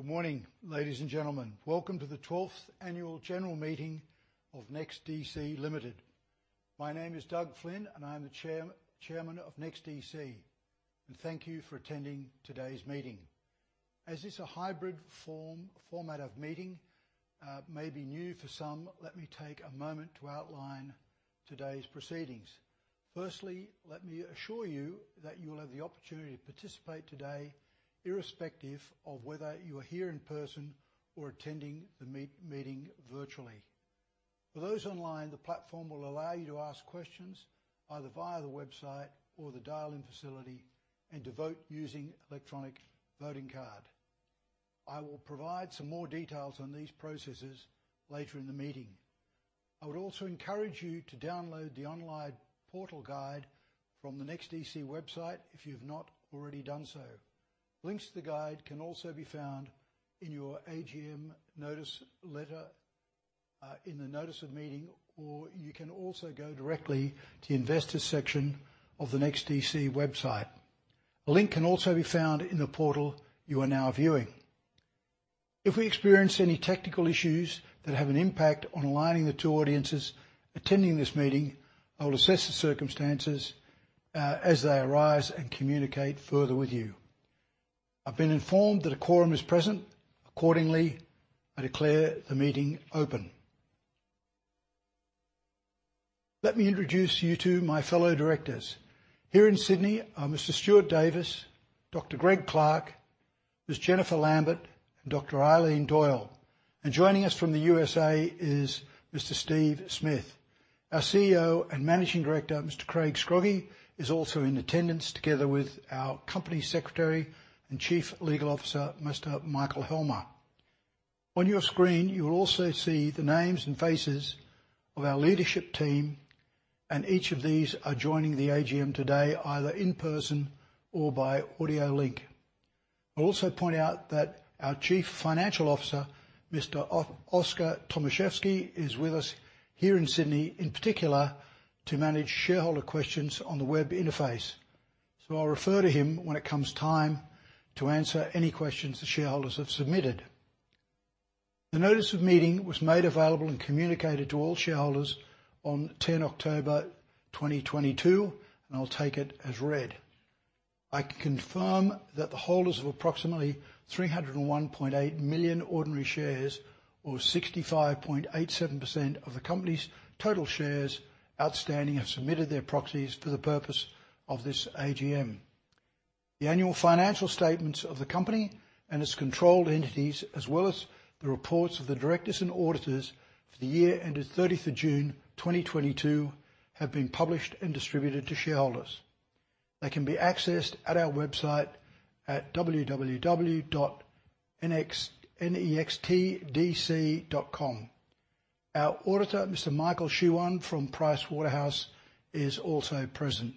Good morning, ladies and gentlemen. Welcome to the 12th annual general meeting of NEXTDC Limited. My name is Doug Flynn, and I'm the Chairman of NEXTDC. Thank you for attending today's meeting. As this is a hybrid format of meeting, may be new for some, let me take a moment to outline today's proceedings. Firstly, let me assure you that you'll have the opportunity to participate today irrespective of whether you are here in person or attending the meeting virtually. For those online, the platform will allow you to ask questions either via the website or the dial-in facility and to vote using electronic voting card. I will provide some more details on these processes later in the meeting. I would also encourage you to download the online portal guide from the NEXTDC website if you've not already done so. Links to the guide can also be found in your AGM notice letter, uh, in the notice of meeting, or you can also go directly to the investor section of the NEXTDC website. A link can also be found in the portal you are now viewing. If we experience any technical issues that have an impact on aligning the two audiences attending this meeting, I will assess the circumstances, uh, as they arise and communicate further with you. I've been informed that a quorum is present. Accordingly, I declare the meeting open. Let me introduce you to my fellow directors. Here in Sydney are Mr Stuart Davis, Dr Greg Clark, Ms Jennifer Lambert, and Dr Eileen Doyle. And joining us from the USA is Mr Steve Smith. Our CEO and Managing Director, Mr Craig Scroggie, is also in attendance together with our Company Secretary and Chief Legal Officer, Mr Michael Helmer. On your screen, you'll also see the names and faces of our leadership team, and each of these are joining the AGM today either in person or by audio link. I'll also point out that our Chief Financial Officer, Mr Oskar Tomaszewski, is with us here in Sydney, in particular, to manage shareholder questions on the web interface. I'll refer to him when it comes time to answer any questions the shareholders have submitted. The notice of meeting was made available and communicated to all shareholders on 10th October 2022, and I'll take it as read. I confirm that the holders of approximately 301.8 million ordinary shares or 65.87% of the company's total shares outstanding have submitted their proxies for the purpose of this AGM. The annual financial statements of the company and its controlled entities as well as the reports of the directors and auditors for the year ended 30th of June 2022 have been published and distributed to shareholders. They can be accessed at our website at www.NEXTDC.com. Our auditor, Mr. Michael Shewan from Pricewaterhouse, is also present.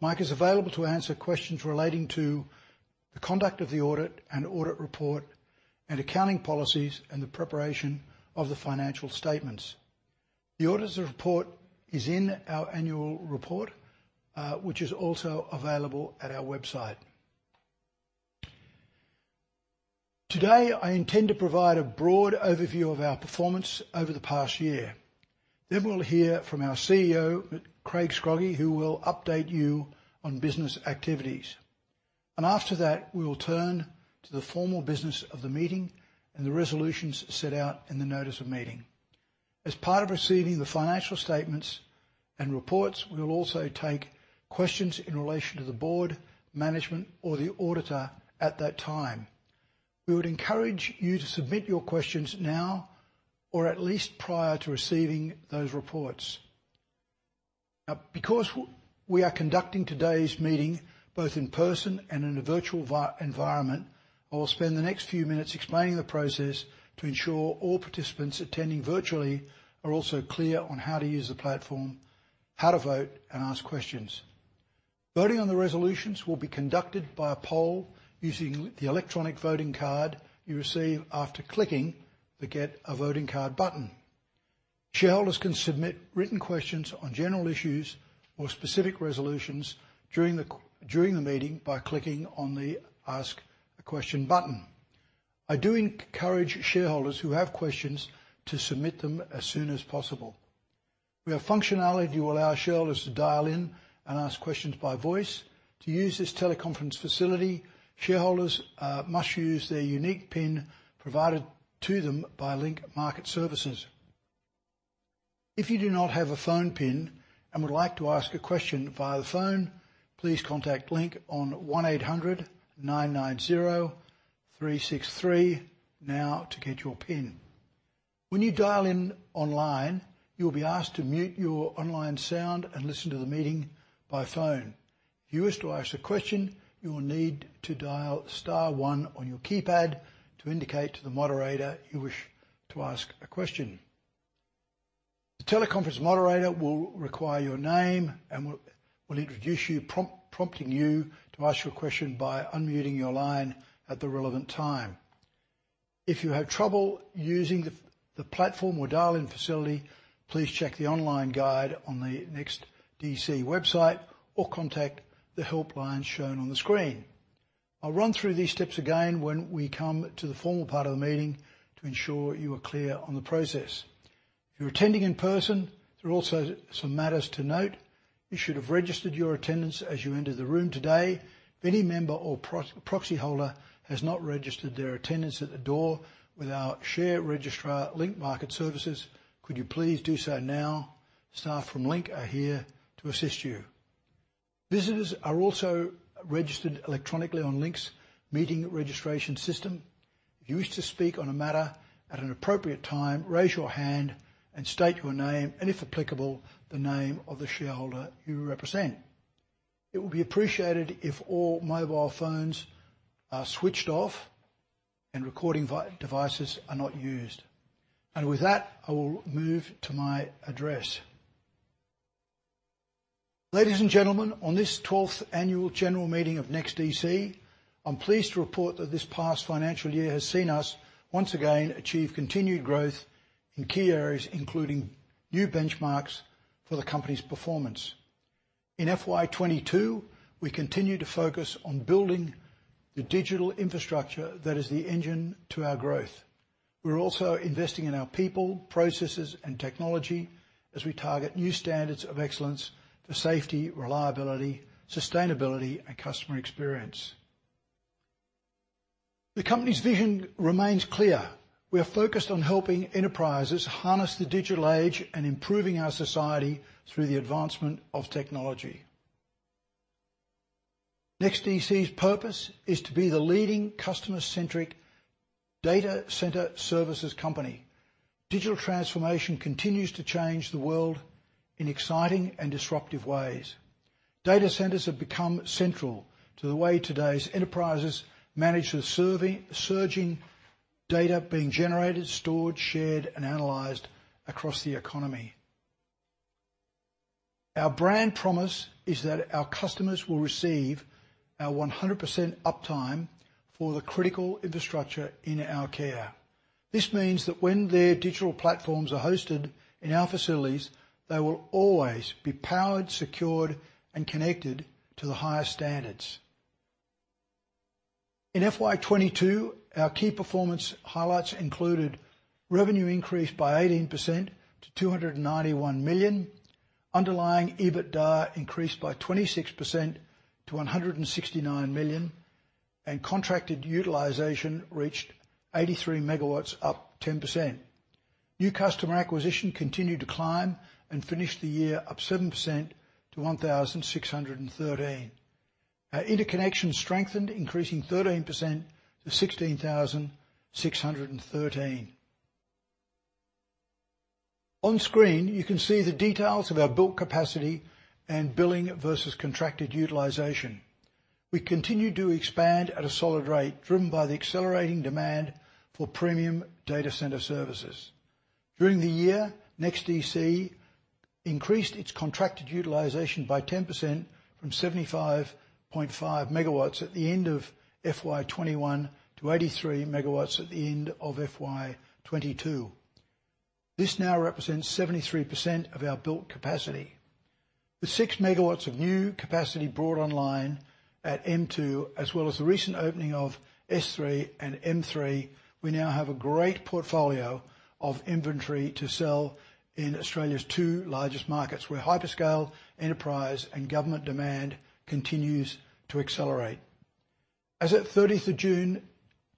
Mike is available to answer questions relating to the conduct of the audit and audit report and accounting policies and the preparation of the financial statements. The auditor's report is in our annual report, which is also available at our website. Today, I intend to provide a broad overview of our performance over the past year. We'll hear from our CEO, Craig Scroggie, who will update you on business activities. After that, we will turn to the formal business of the meeting and the resolutions set out in the notice of meeting. As part of receiving the financial statements and reports, we will also take questions in relation to the board, management, or the auditor at that time. We would encourage you to submit your questions now or at least prior to receiving those reports. Now, because we are conducting today's meeting both in person and in a virtual environment, I will spend the next few minutes explaining the process to ensure all participants attending virtually are also clear on how to use the platform, how to vote and ask questions. Voting on the resolutions will be conducted by a poll using the electronic voting card you receive after clicking the Get a Voting Card button. Shareholders can submit written questions on general issues or specific resolutions during the meeting by clicking on the Ask a Question button. I do encourage shareholders who have questions to submit them as soon as possible. We have functionality to allow shareholders to dial in and ask questions by voice. To use this teleconference facility, shareholders must use their unique PIN provided to them by Link Market Services. If you do not have a phone PIN and would like to ask a question via the phone, please contact Link on 1 800 990 363 now to get your PIN. When you dial in online, you'll be asked to mute your online sound and listen to the meeting by phone. If you wish to ask a question, you will need to dial star one on your keypad to indicate to the moderator you wish to ask a question. The teleconference moderator will require your name and will introduce you, prompting you to ask your question by unmuting your line at the relevant time. If you have trouble using the platform or dial-in facility, please check the online guide on the NEXTDC website or contact the helpline shown on the screen. I'll run through these steps again when we come to the formal part of the meeting to ensure you are clear on the process. If you're attending in person, there are also some matters to note. You should have registered your attendance as you entered the room today. If any member or proxyholder has not registered their attendance at the door with our share registrar, Link Market Services, could you please do so now. Staff from Link are here to assist you. Visitors are also registered electronically on Link's meeting registration system. If you wish to speak on a matter at an appropriate time, raise your hand and state your name, and if applicable, the name of the shareholder you represent. It will be appreciated if all mobile phones are switched off and recording devices are not used. With that, I will move to my address. Ladies and gentlemen, on this 12th annual general meeting of NEXTDC, I'm pleased to report that this past financial year has seen us once again achieve continued growth in key areas, including new benchmarks for the company's performance. In FY 2022, we continued to focus on building the digital infrastructure that is the engine to our growth. We're also investing in our people, processes, and technology as we target new standards of excellence for safety, reliability, sustainability, and customer experience. The company's vision remains clear. We are focused on helping enterprises harness the digital age and improving our society through the advancement of technology. NEXTDC's purpose is to be the leading customer-centric data center services company. Digital transformation continues to change the world in exciting and disruptive ways. Data centers have become central to the way today's enterprises manage the surging data being generated, stored, shared, and analyzed across the economy. Our brand promise is that our customers will receive our 100% uptime for the critical infrastructure in our care. This means that when their digital platforms are hosted in our facilities, they will always be powered, secured, and connected to the highest standards. In FY 2022, our key performance highlights included revenue increased by 18% to 291 million, underlying EBITDA increased by 26% to 169 million, and contracted utilization reached 83 MW, up 10%. New customer acquisition continued to climb and finished the year up 7% to 1,613. Our interconnection strengthened, increasing 13% to 16,613. On screen, you can see the details of our built capacity and billing versus contracted utilization. We continued to expand at a solid rate, driven by the accelerating demand for premium data center services. During the year, NEXTDC increased its contracted utilization by 10% from 75.5 MW at the end of FY 2021 to 83 MW at the end of FY 2022. This now represents 73% of our built capacity. The 6 MW of new capacity brought online at M2, as well as the recent opening of S3 and M3, we now have a great portfolio of inventory to sell in Australia's two largest markets, where hyperscale, enterprise, and government demand continues to accelerate. As at 30th of June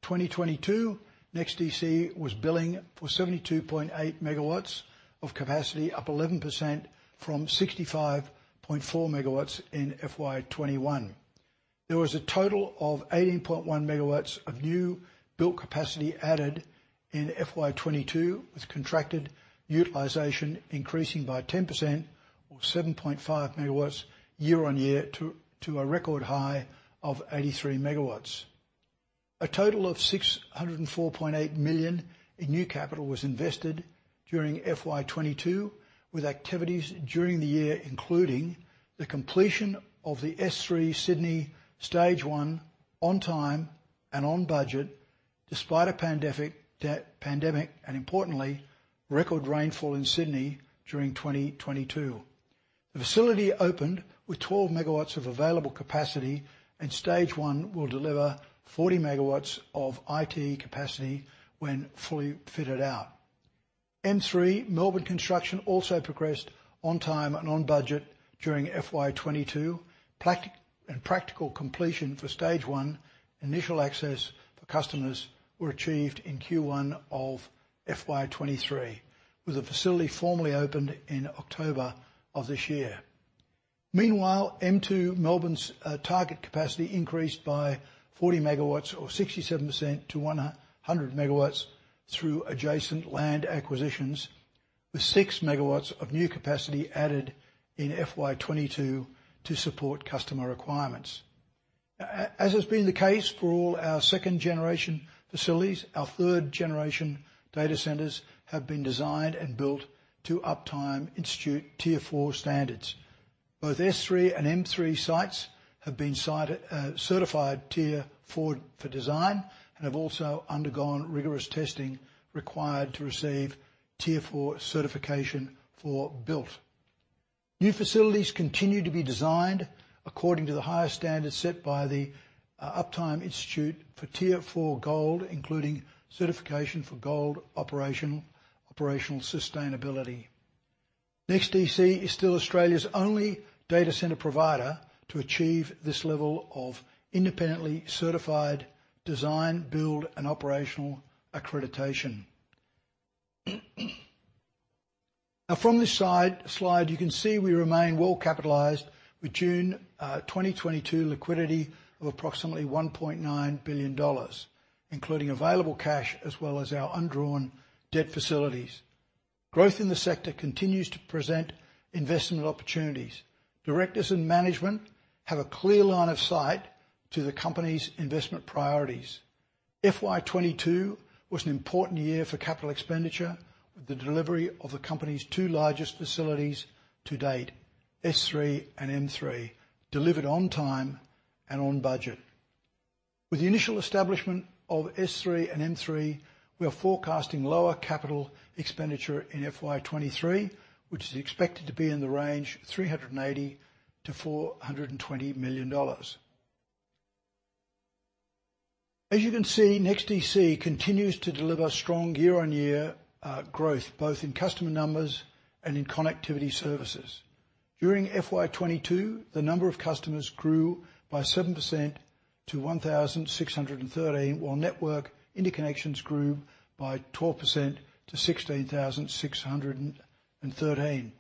2022, NEXTDC was billing for 72.8 MW of capacity, up 11% from 65.4 MW in FY 2021. There was a total of 18.1 MW of new built capacity added in FY 2022, with contracted utilization increasing by 10% or 7.5 MW year-on-year to a record high of 83 MW. A total of 604.8 million in new capital was invested during FY 2022, with activities during the year including the completion of the S3 Sydney stage one on time and on budget, despite a pandemic and importantly, record rainfall in Sydney during 2022. The facility opened with 12 MW of available capacity, and stage one will deliver 40 MW of IT capacity when fully fitted out. M3 Melbourne construction also progressed on time and on budget during FY 2022. Practical completion for stage one initial access for customers were achieved in Q1 of FY 2023, with the facility formally opened in October of this year. Meanwhile, M2 Melbourne's target capacity increased by 40 MW or 67% to 100 MW through adjacent land acquisitions, with 6 MW of new capacity added in FY2022 to support customer requirements. As has been the case for all our 2nd-gen facilities, our 3rd-gen data centers have been designed and built to Uptime Institute Tier IV standards. Both S3 and M3 sites have been certified Tier IV for design and have also undergone rigorous testing required to receive Tier IV certification for built. New facilities continue to be designed according to the highest standards set by the Uptime Institute for Tier IV Gold, including certification for Gold Operational Sustainability. NEXTDC is still Australia's only data center provider to achieve this level of independently certified design, build, and operational accreditation. Now, from this slide, you can see we remain well-capitalized with June 2022 liquidity of approximately 1.9 billion dollars, including available cash as well as our undrawn debt facilities. Growth in the sector continues to present investment opportunities. Directors and management have a clear line of sight to the company's investment priorities. FY 2022 was an important year for capital expenditure with the delivery of the company's two largest facilities to date, S3 and M3, delivered on time and on budget. With the initial establishment of S3 and M3, we are forecasting lower capital expenditure in FY 2023, which is expected to be in the range 380 million-420 million dollars. As you can see, NEXTDC continues to deliver strong year-on-year growth, both in customer numbers and in connectivity services. During FY 2022, the number of customers grew by 7% to 1,613, while network interconnections grew by 12% to 16,613.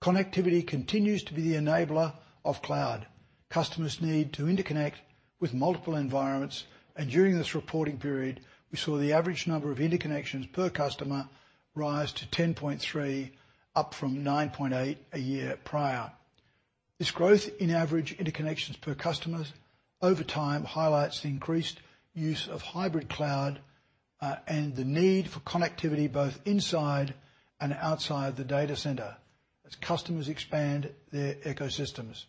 Connectivity continues to be the enabler of cloud. Customers need to interconnect with multiple environments, and during this reporting period, we saw the average number of interconnections per customer rise to 10.3, up from 9.8 a year prior. This growth in average interconnections per customers over time highlights the increased use of hybrid cloud and the need for connectivity both inside and outside the data center as customers expand their ecosystems.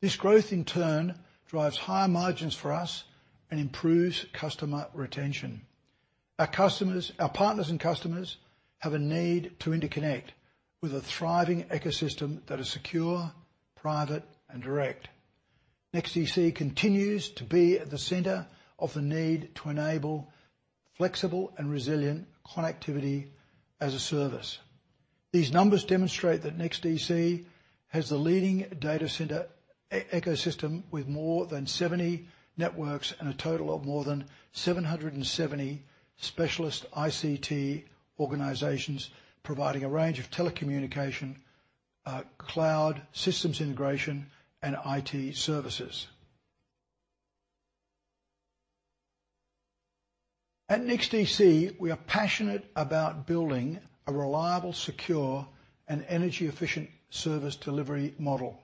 This growth, in turn, drives higher margins for us and improves customer retention. Our customers. Our partners and customers have a need to interconnect with a thriving ecosystem that is secure, private, and direct. NEXTDC continues to be at the center of the need to enable flexible and resilient connectivity as a service. These numbers demonstrate that NEXTDC has the leading data center e-ecosystem with more than seventy networks and a total of more than 770 specialist ICT organizations providing a range of telecommunication, uh, cloud systems integration and IT services. At NEXTDC, we are passionate about building a reliable, secure, and energy-efficient service delivery model.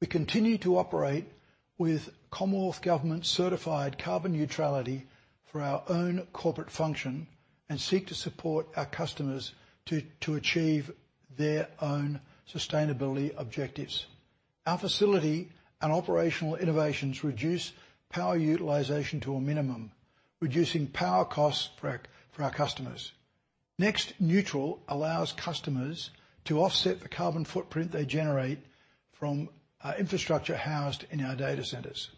We continue to operate with Commonwealth government-certified carbon neutrality for our own corporate function and seek to support our customers to achieve their own sustainability objectives. Our facility and operational innovations reduce power utilization to a minimum, reducing power costs for our, for our customers. NEXTneutral allows customers to offset the carbon footprint they generate from infrastructure housed in our data centers.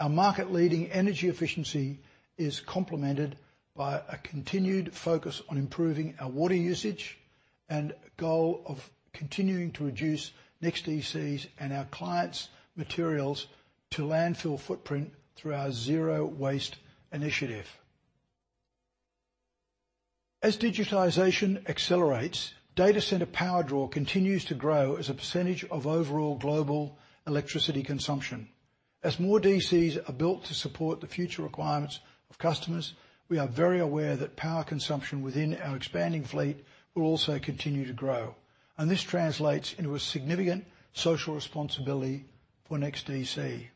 Our market-leading energy efficiency is complemented by a continued focus on improving our water usage and goal of continuing to reduce NEXTDC's and our clients' materials to landfill footprint through our zero-waste initiative. As digitization accelerates, data center power draw continues to grow as a percentage of overall global electricity consumption. As more DCs are built to support the future requirements of customers, we are very aware that power consumption within our expanding fleet will also continue to grow, and this translates into a significant social responsibility for NEXTDC.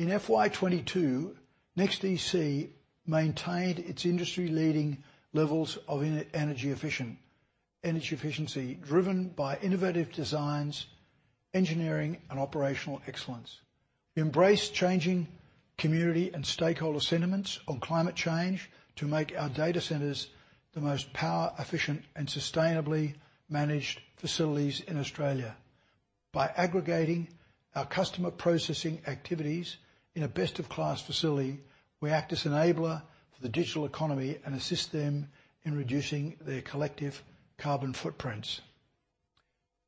In FY 2022, NEXTDC maintained its industry-leading levels of energy efficiency driven by innovative designs, engineering and operational excellence. We embrace changing community and stakeholder sentiments on climate change to make our data centers the most power efficient and sustainably managed facilities in Australia. By aggregating our customer processing activities in a best-in-class facility, we act as enabler for the digital economy and assist them in reducing their collective carbon footprints.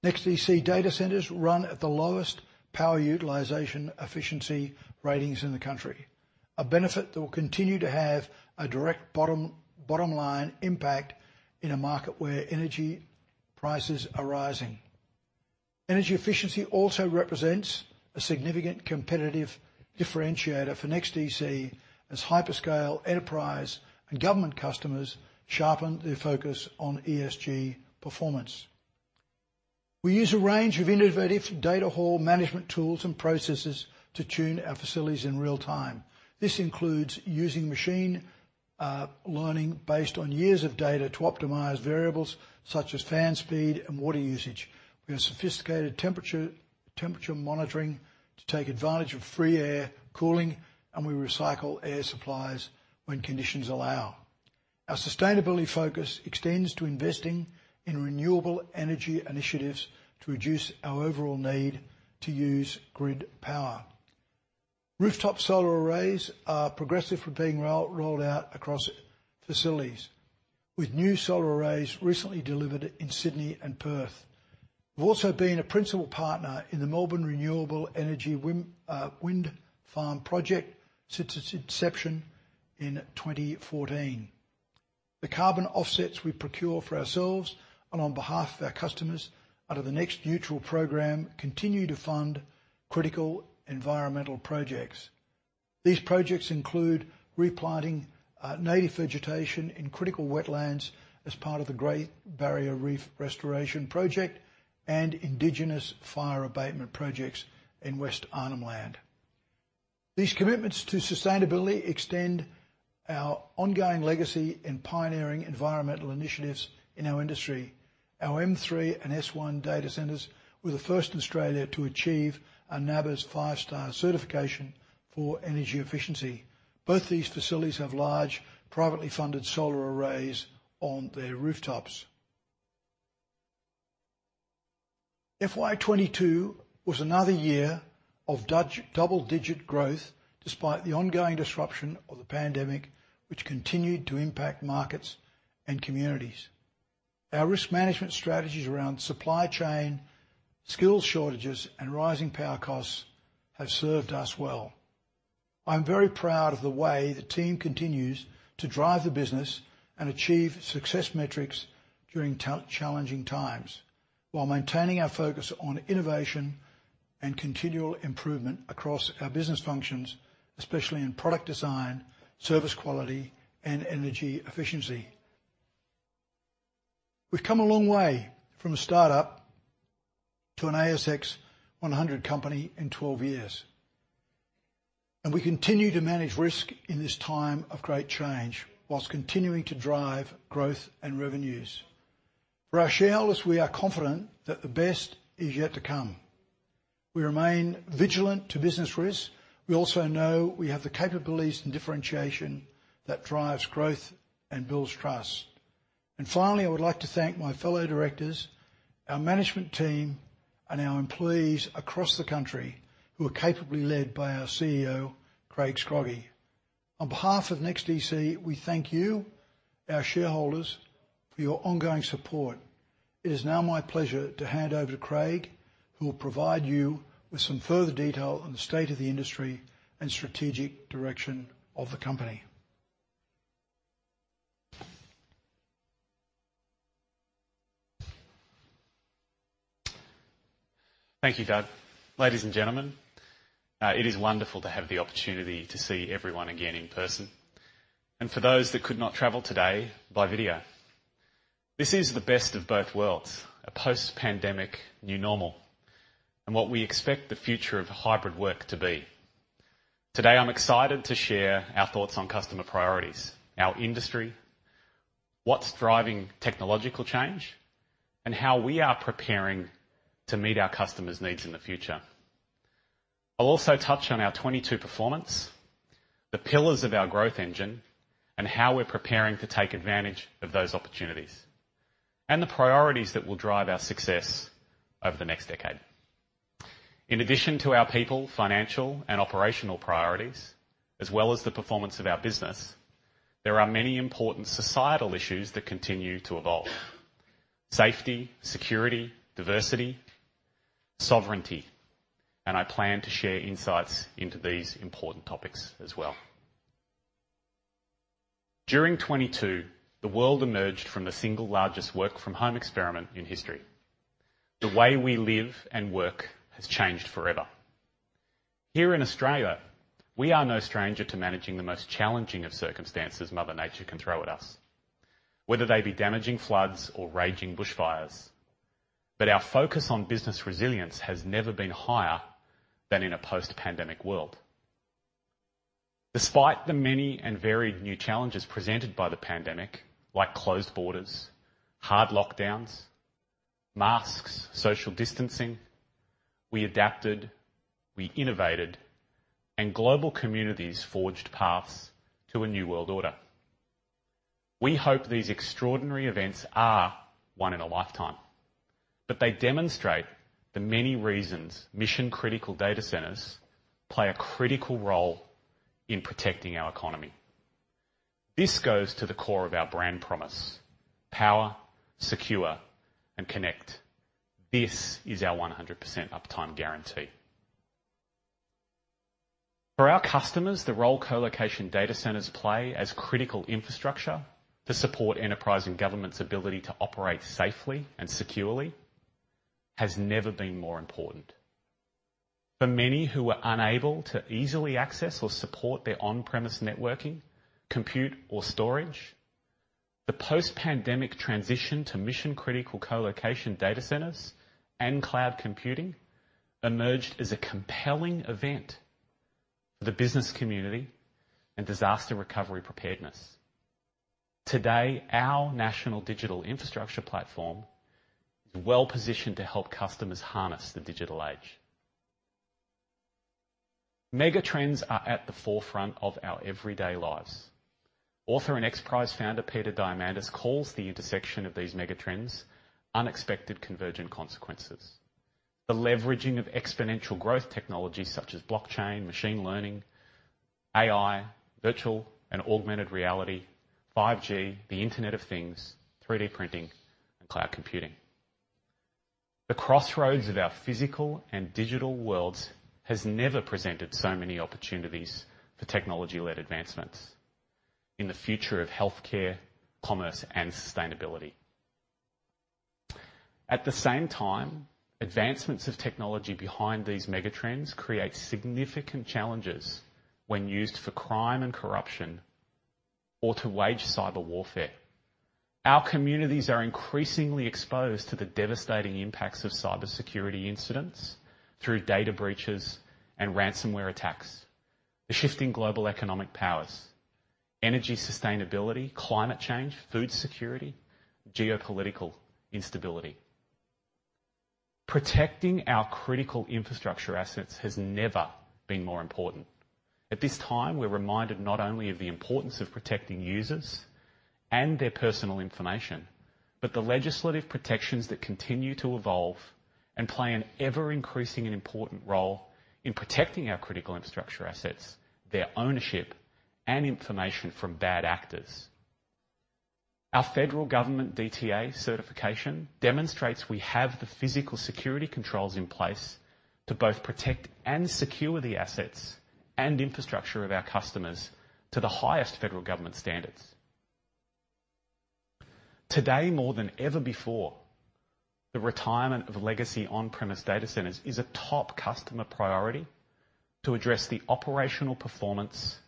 NEXTDC data centers run at the lowest power utilization efficiency ratings in the country, a benefit that will continue to have a direct bottom line impact in a market where energy prices are rising. Energy efficiency also represents a significant competitive differentiator for NEXTDC as hyperscale enterprise and government customers sharpen their focus on ESG performance. We use a range of innovative data hall management tools and processes to tune our facilities in real time. This includes using machine learning based on years of data to optimize variables such as fan speed and water usage. We have sophisticated temperature monitoring to take advantage of free air cooling, and we recycle air supplies when conditions allow. Our sustainability focus extends to investing in renewable energy initiatives to reduce our overall need to use grid power. Rooftop solar arrays are progressive from being rolled out across facilities, with new solar arrays recently delivered in Sydney and Perth. We've also been a principal partner in the Melbourne Renewable Energy wind farm project since its inception in 2014. The carbon offsets we procure for ourselves and on behalf of our customers under the NEXTneutral program continue to fund critical environmental projects. These projects include replanting native vegetation in critical wetlands as part of the Great Barrier Reef Restoration Project and indigenous fire abatement projects in West Arnhem Land. These commitments to sustainability extend our ongoing legacy in pioneering environmental initiatives in our industry. Our M3 and S1 data centers were the first in Australia to achieve a NABERS five-star certification for energy efficiency. Both these facilities have large, privately funded solar arrays on their rooftops. FY 2022 was another year of double-digit growth despite the ongoing disruption of the pandemic, which continued to impact markets and communities. Our risk management strategies around supply chain, skills shortages, and rising power costs have served us well. I'm very proud of the way the team continues to drive the business and achieve success metrics during challenging times while maintaining our focus on innovation and continual improvement across our business functions, especially in product design, service quality, and energy efficiency. We've come a long way from a startup to an ASX 100 company in 12 years, and we continue to manage risk in this time of great change whilst continuing to drive growth and revenues. For our shareholders, we are confident that the best is yet to come. We remain vigilant to business risk. We also know we have the capabilities and differentiation that drives growth and builds trust. Finally, I would like to thank my fellow directors, our management team, and our employees across the country who are capably led by our CEO, Craig Scroggie. On behalf of NEXTDC, we thank you, our shareholders, for your ongoing support. It is now my pleasure to hand over to Craig, who will provide you with some further detail on the state of the industry and strategic direction of the company. Thank you, Doug. Ladies and gentlemen, it is wonderful to have the opportunity to see everyone again in person and for those that could not travel today, by video. This is the best of both worlds, a post-pandemic new normal, and what we expect the future of hybrid work to be. Today, I'm excited to share our thoughts on customer priorities, our industry, what's driving technological change, and how we are preparing to meet our customers' needs in the future. I'll also touch on our 2022 performance, the pillars of our growth engine, and how we're preparing to take advantage of those opportunities, and the priorities that will drive our success over the next decade. In addition to our people, financial, and operational priorities, as well as the performance of our business, there are many important societal issues that continue to evolve, safety, security, diversity, sovereignty, and I plan to share insights into these important topics as well. During 2022, the world emerged from the single largest work-from-home experiment in history. The way we live and work has changed forever. Here in Australia, we are no stranger to managing the most challenging of circumstances Mother Nature can throw at us, whether they be damaging floods or raging bushfires. Our focus on business resilience has never been higher than in a post-pandemic world. Despite the many and varied new challenges presented by the pandemic, like closed borders, hard lockdowns, masks, social distancing, we adapted, we innovated, and global communities forged paths to a new world order. We hope these extraordinary events are one in a lifetime, but they demonstrate the many reasons mission-critical data centers play a critical role in protecting our economy. This goes to the core of our brand promise, power, secure, and connect. This is our 100% uptime guarantee. For our customers, the role colocation data centers play as critical infrastructure to support enterprise and government's ability to operate safely and securely has never been more important. For many who are unable to easily access or support their on-premise networking, compute, or storage, the post-pandemic transition to mission-critical colocation data centers and cloud computing emerged as a compelling event for the business community and disaster recovery preparedness. Today, our national digital infrastructure platform is well-positioned to help customers harness the digital age. Megatrends are at the forefront of our everyday lives. Author and XPRIZE founder Peter Diamandis calls the intersection of these megatrends unexpected convergent consequences. The leveraging of exponential growth technologies such as blockchain, machine learning, AI, virtual and augmented reality, 5G, the Internet of Things, 3D printing, and cloud computing. The crossroads of our physical and digital worlds has never presented so many opportunities for technology-led advancements in the future of healthcare, commerce, and sustainability. At the same time, advancements of technology behind these megatrends create significant challenges when used for crime and corruption or to wage cyber warfare. Our communities are increasingly exposed to the devastating impacts of cybersecurity incidents through data breaches and ransomware attacks, the shifting global economic powers, energy sustainability, climate change, food security, geopolitical instability. Protecting our critical infrastructure assets has never been more important. At this time, we're reminded not only of the importance of protecting users and their personal information, but the legislative protections that continue to evolve and play an ever-increasing and important role in protecting our critical infrastructure assets, their ownership, and information from bad actors. Our federal government DTA certification demonstrates we have the physical security controls in place to both protect and secure the assets and infrastructure of our customers to the highest federal government standards. Today, more than ever before, the retirement of legacy on-premise data centers is a top customer priority to address the operational performance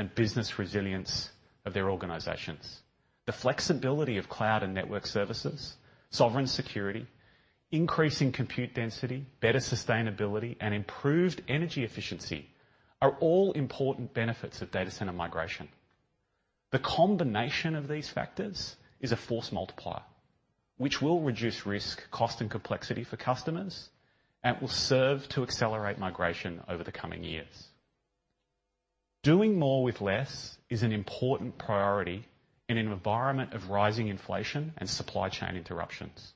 and business resilience of their organizations. The flexibility of cloud and network services, sovereign security, increasing compute density, better sustainability, and improved energy efficiency are all important benefits of data center migration. The combination of these factors is a force multiplier, which will reduce risk, cost, and complexity for customers and will serve to accelerate migration over the coming years. Doing more with less is an important priority in an environment of rising inflation and supply chain interruptions.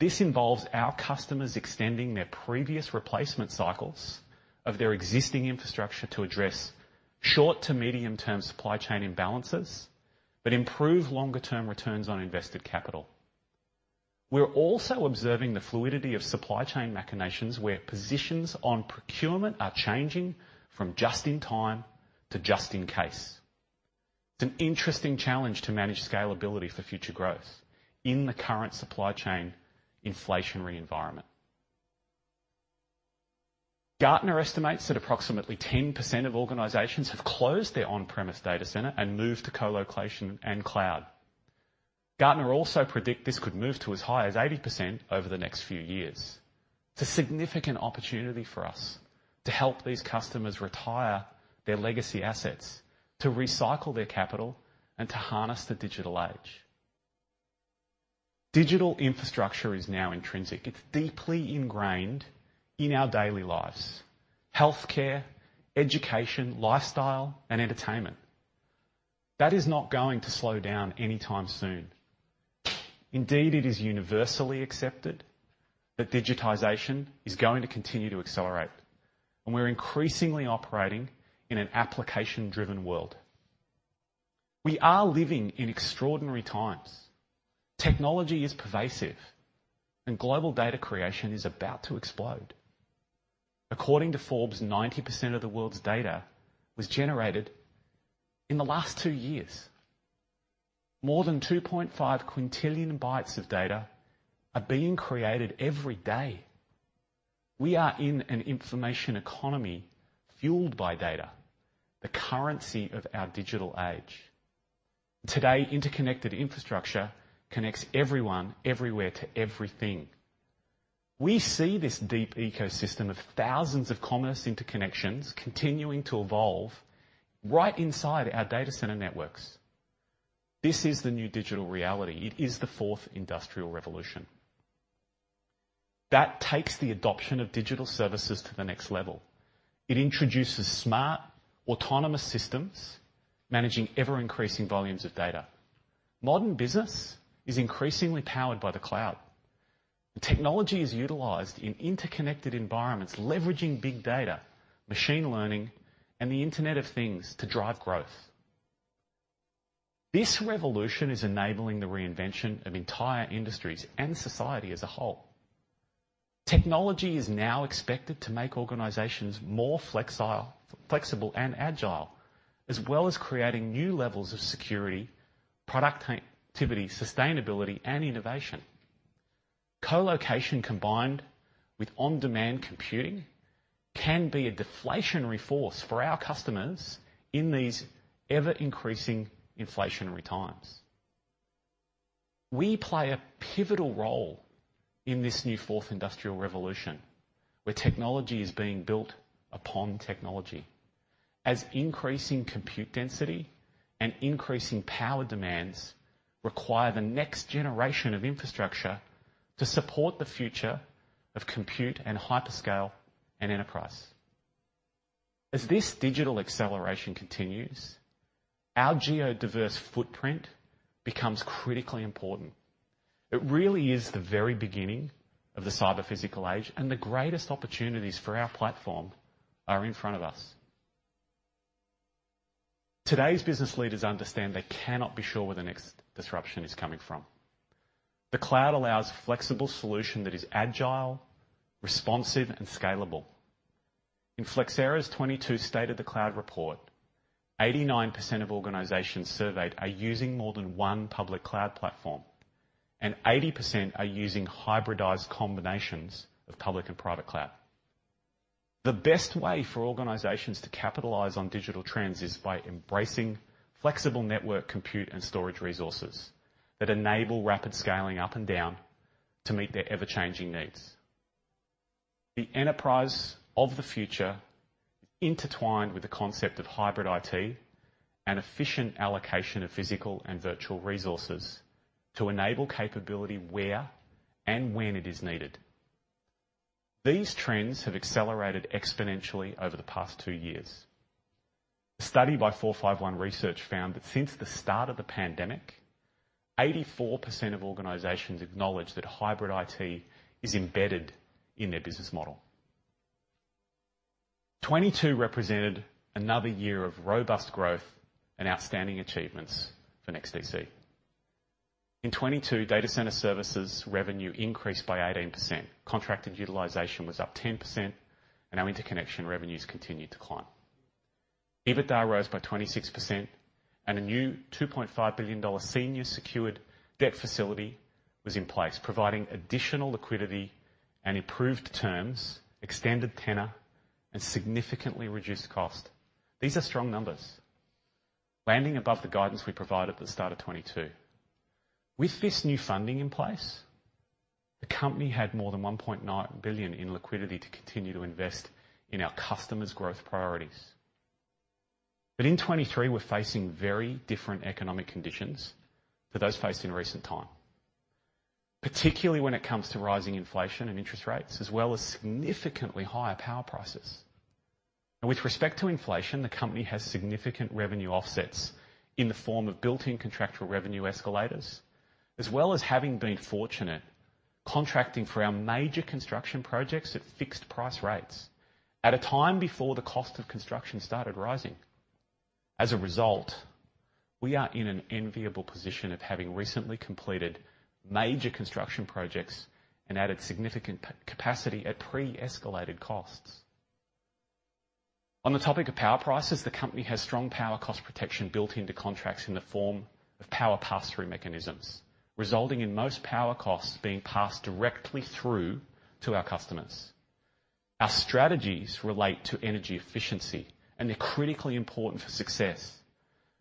This involves our customers extending their previous replacement cycles of their existing infrastructure to address short- to medium-term supply chain imbalances, but improve longer-term returns on invested capital. We're also observing the fluidity of supply chain machinations, where positions on procurement are changing from just-in-time to just-in-case. It's an interesting challenge to manage scalability for future growth in the current supply chain inflationary environment. Gartner estimates that approximately 10% of organizations have closed their on-premise data center and moved to colocation and cloud. Gartner also predict this could move to as high as 80% over the next few years. It's a significant opportunity for us to help these customers retire their legacy assets, to recycle their capital, and to harness the digital age. Digital infrastructure is now intrinsic. It's deeply ingrained in our daily lives, healthcare, education, lifestyle, and entertainment. That is not going to slow down anytime soon. Indeed, it is universally accepted that digitization is going to continue to accelerate, and we're increasingly operating in an application-driven world. We are living in extraordinary times. Technology is pervasive, and global data creation is about to explode. According to Forbes, 90% of the world's data was generated in the last two years. More than 2.5 quintillion bytes of data are being created every day. We are in an information economy fueled by data, the currency of our digital age. Today, interconnected infrastructure connects everyone, everywhere to everything. We see this deep ecosystem of thousands of commerce interconnections continuing to evolve right inside our data center networks. This is the new digital reality. It is the Fourth Industrial Revolution. That takes the adoption of digital services to the next level. It introduces smart, autonomous systems managing ever-increasing volumes of data. Modern business is increasingly powered by the cloud, and technology is utilized in interconnected environments, leveraging big data, machine learning, and the Internet of Things to drive growth. This revolution is enabling the reinvention of entire industries and society as a whole. Technology is now expected to make organizations more flexible and agile, as well as creating new levels of security, productivity, sustainability, and innovation. Colocation combined with on-demand computing can be a deflationary force for our customers in these ever-increasing inflationary times. We play a pivotal role in this new Fourth Industrial Revolution, where technology is being built upon technology. As increasing compute density and increasing power demands require the next generation of infrastructure to support the future of compute and hyperscale and enterprise, as this digital acceleration continues, our geo-diverse footprint becomes critically important. It really is the very beginning of the cyber-physical age, and the greatest opportunities for our platform are in front of us. Today's business leaders understand they cannot be sure where the next disruption is coming from. The cloud allows flexible solution that is agile, responsive, and scalable. In Flexera's 2022 State of the Cloud Report, 89% of organizations surveyed are using more than one public cloud platform, and 80% are using hybridized combinations of public and private cloud. The best way for organizations to capitalize on digital trends is by embracing flexible network compute and storage resources that enable rapid scaling up and down to meet their ever-changing needs. The enterprise of the future intertwined with the concept of hybrid IT and efficient allocation of physical and virtual resources to enable capability where and when it is needed. These trends have accelerated exponentially over the past two years. A study by 451 Research found that since the start of the pandemic, 84% of organizations acknowledge that hybrid IT is embedded in their business model. 2022 represented another year of robust growth and outstanding achievements for NEXTDC. In 2022, data center services revenue increased by 18%. Contracted utilization was up 10%, and our interconnection revenues continued to climb. EBITDA rose by 26% and a new 2.5 billion dollar senior secured debt facility was in place, providing additional liquidity and improved terms, extended tenor, and significantly reduced cost. These are strong numbers, landing above the guidance we provided at the start of 2022. With this new funding in place, the company had more than 1.9 billion in liquidity to continue to invest in our customers' growth priorities. In 2023, we're facing very different economic conditions to those faced in recent time, particularly when it comes to rising inflation and interest rates, as well as significantly higher power prices. With respect to inflation, the company has significant revenue offsets in the form of built-in contractual revenue escalators, as well as having been fortunate contracting for our major construction projects at fixed price rates at a time before the cost of construction started rising. As a result, we are in an enviable position of having recently completed major construction projects and added significant capacity at pre-escalated costs. On the topic of power prices, the company has strong power cost protection built into contracts in the form of power pass-through mechanisms, resulting in most power costs being passed directly through to our customers. Our strategies relate to energy efficiency, and they're critically important for success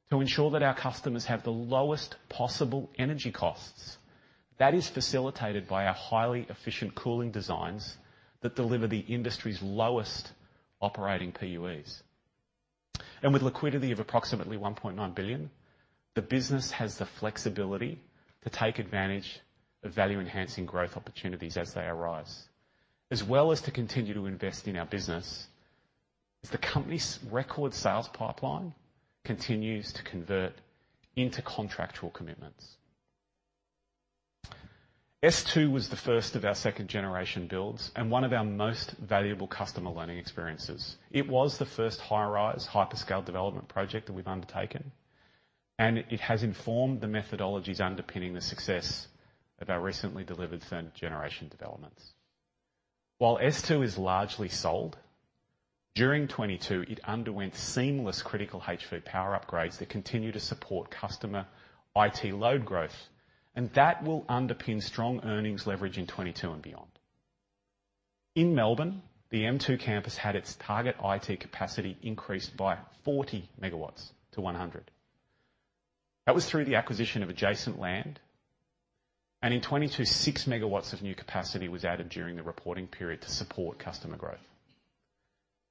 to ensure that our customers have the lowest possible energy costs. That is facilitated by our highly efficient cooling designs that deliver the industry's lowest operating PUEs. With liquidity of approximately 1.9 billion, the business has the flexibility to take advantage of value-enhancing growth opportunities as they arise, as well as to continue to invest in our business as the company's record sales pipeline continues to convert into contractual commitments. S2 was the first of our second generation builds and one of our most valuable customer learning experiences. It was the first high-rise hyperscale development project that we've undertaken, and it has informed the methodologies underpinning the success of our recently delivered third generation developments. While S2 is largely sold, during 2022 it underwent seamless critical HV power upgrades that continue to support customer IT load growth, and that will underpin strong earnings leverage in 2022 and beyond. In Melbourne, the M2 campus had its target IT capacity increased by 40 MW to 100 MW. That was through the acquisition of adjacent land, and in 2022, 6 MW of new capacity was added during the reporting period to support customer growth.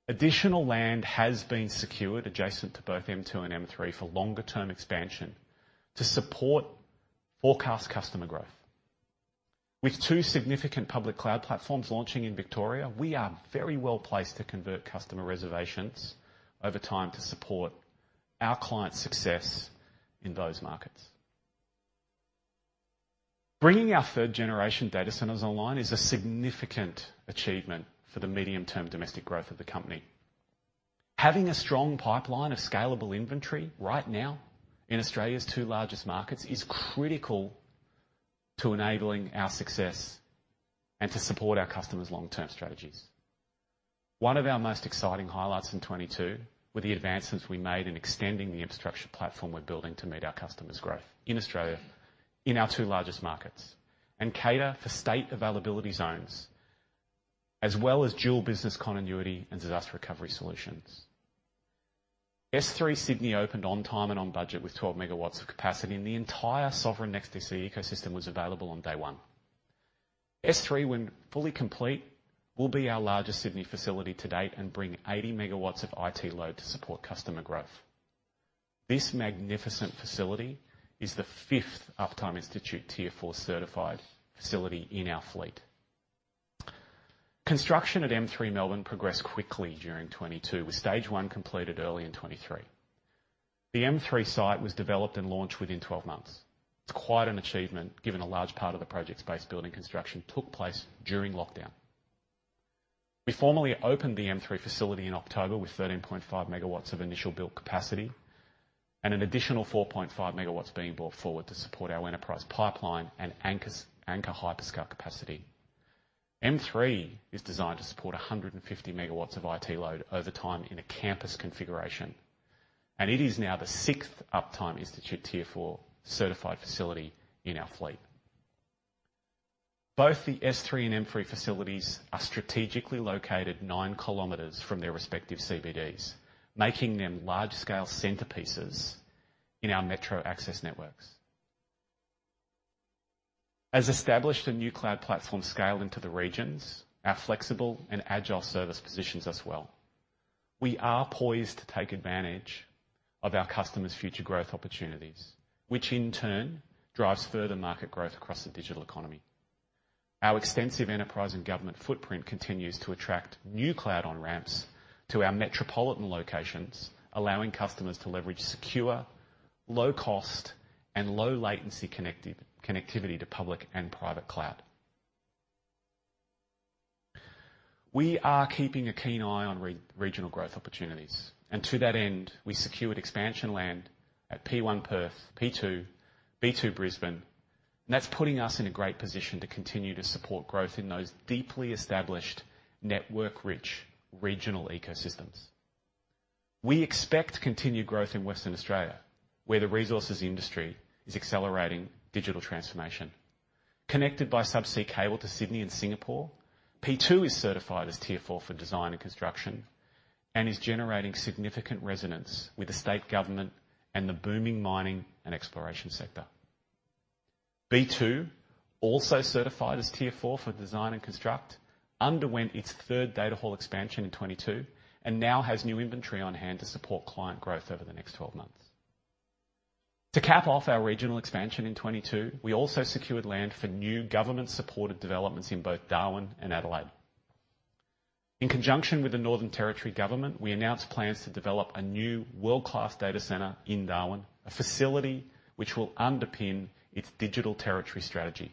Additional land has been secured adjacent to both M2 and M3 for longer term expansion to support forecast customer growth. With two significant public cloud platforms launching in Victoria, we are very well placed to convert customer reservations over time to support our clients' success in those markets. Bringing our 3rd-gen data centers online is a significant achievement for the medium-term domestic growth of the company. Having a strong pipeline of scalable inventory right now in Australia's two largest markets is critical to enabling our success and to support our customers' long-term strategies. One of our most exciting highlights in 2022 were the advancements we made in extending the infrastructure platform we're building to meet our customers' growth in Australia in our two largest markets and cater for state availability zones, as well as dual business continuity and disaster recovery solutions. S3 Sydney opened on time and on budget with 12 MW of capacity, and the entire Sovereign NEXTDC ecosystem was available on day one. S3, when fully complete, will be our largest Sydney facility to date and bring 80 MW of IT load to support customer growth. This magnificent facility is the fifth Uptime Institute Tier IV certified facility in our fleet. Construction at M3 Melbourne progressed quickly during 2022, with stage one completed early in 2023. The M3 site was developed and launched within 12 months. It's quite an achievement given a large part of the project's base building construction took place during lockdown. We formally opened the M3 facility in October with 13.5 MW of initial build capacity and an additional 4.5 MW being brought forward to support our enterprise pipeline and anchor hyperscale capacity. M3 is designed to support 150 MW of IT load over time in a campus configuration, and it is now the sixth Uptime Institute Tier IV certified facility in our fleet. Both the S3 and M3 facilities are strategically located 9 km from their respective CBDs, making them large-scale centerpieces in our metro access networks. As established and new cloud platforms scale into the regions, our flexible and agile service positions us well. We are poised to take advantage of our customers' future growth opportunities, which in turn drives further market growth across the digital economy. Our extensive enterprise and government footprint continues to attract new cloud on-ramps to our metropolitan locations, allowing customers to leverage secure, low-cost, and low-latency connectivity to public and private cloud. We are keeping a keen eye on regional growth opportunities. To that end, we secured expansion land at P1 Perth, P2, B2 Brisbane, and that's putting us in a great position to continue to support growth in those deeply established, network-rich regional ecosystems. We expect continued growth in Western Australia, where the resources industry is accelerating digital transformation. Connected by subsea cable to Sydney and Singapore, P2 is certified as Tier IV for design and construction and is generating significant resonance with the state government and the booming mining and exploration sector. B2, also certified as Tier IV for design and construct, underwent its third data hall expansion in 2022 and now has new inventory on hand to support client growth over the next 12 months. To cap off our regional expansion in 2022, we also secured land for new government-supported developments in both Darwin and Adelaide. In conjunction with the Northern Territory Government, we announced plans to develop a new world-class data center in Darwin, a facility which will underpin its Digital Territory strategy.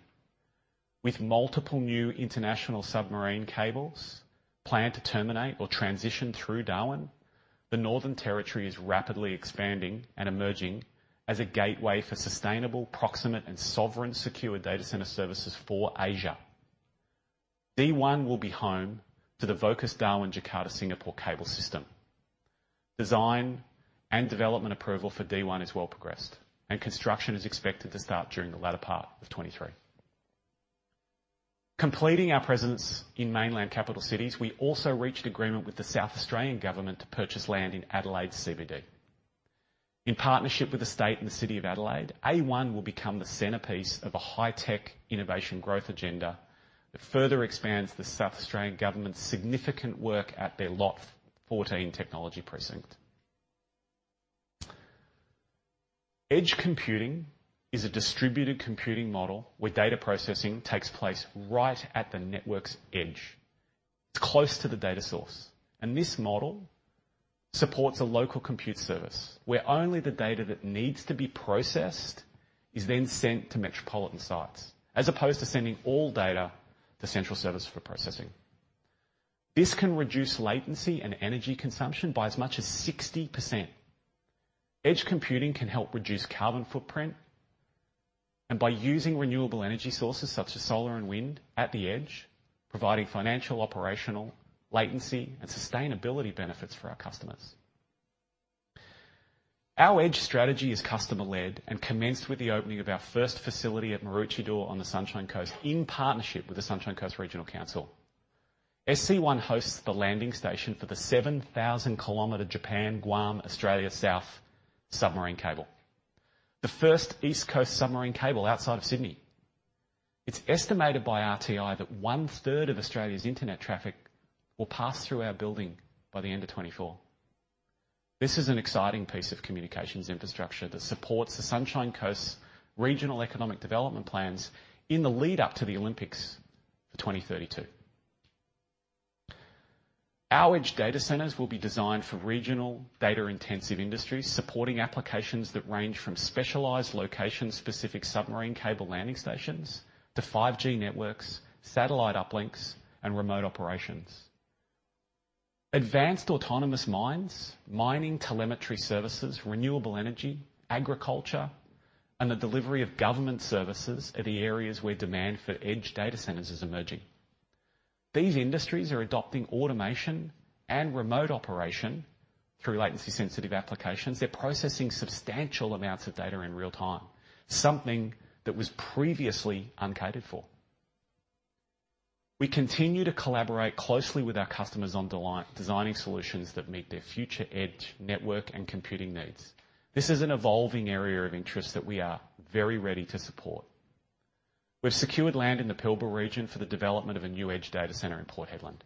With multiple new international submarine cables planned to terminate or transition through Darwin, the Northern Territory is rapidly expanding and emerging as a gateway for sustainable, proximate, and sovereign secure data center services for Asia. D1 will be home to the Vocus Darwin-Jakarta-Singapore Cable System. Design and development approval for D1 is well progressed, and construction is expected to start during the latter part of 2023. Completing our presence in mainland capital cities, we also reached agreement with the South Australian Government to purchase land in Adelaide CBD. In partnership with the state and the City of Adelaide, A1 will become the centerpiece of a high-tech innovation growth agenda that further expands the South Australian Government's significant work at their Lot Fourteen technology precinct. Edge computing is a distributed computing model where data processing takes place right at the network's edge. It's close to the data source, and this model supports a local compute service where only the data that needs to be processed is then sent to metropolitan sites, as opposed to sending all data to central servers for processing. This can reduce latency and energy consumption by as much as 60%. Edge computing can help reduce carbon footprint, and by using renewable energy sources such as solar and wind at the edge, providing financial, operational, latency, and sustainability benefits for our customers. Our edge strategy is customer-led and commenced with the opening of our first facility at Maroochydore on the Sunshine Coast in partnership with the Sunshine Coast Regional Council. SC1 hosts the landing station for the 7,000 km Japan-Guam-Australia South submarine cable, the first East Coast submarine cable outside of Sydney. It's estimated by RTI that 1/3 of Australia's internet traffic will pass through our building by the end of 2024. This is an exciting piece of communications infrastructure that supports the Sunshine Coast's regional economic development plans in the lead up to the Olympics for 2032. Our edge data centers will be designed for regional data-intensive industries, supporting applications that range from specialized location-specific submarine cable landing stations to 5G networks, satellite uplinks, and remote operations. Advanced autonomous mines, mining telemetry services, renewable energy, agriculture, and the delivery of government services are the areas where demand for edge data centers is emerging. These industries are adopting automation and remote operation through latency-sensitive applications. They're processing substantial amounts of data in real-time, something that was previously uncatered for. We continue to collaborate closely with our customers on designing solutions that meet their future edge network and computing needs. This is an evolving area of interest that we are very ready to support. We've secured land in the Pilbara region for the development of a new edge data center in Port Hedland.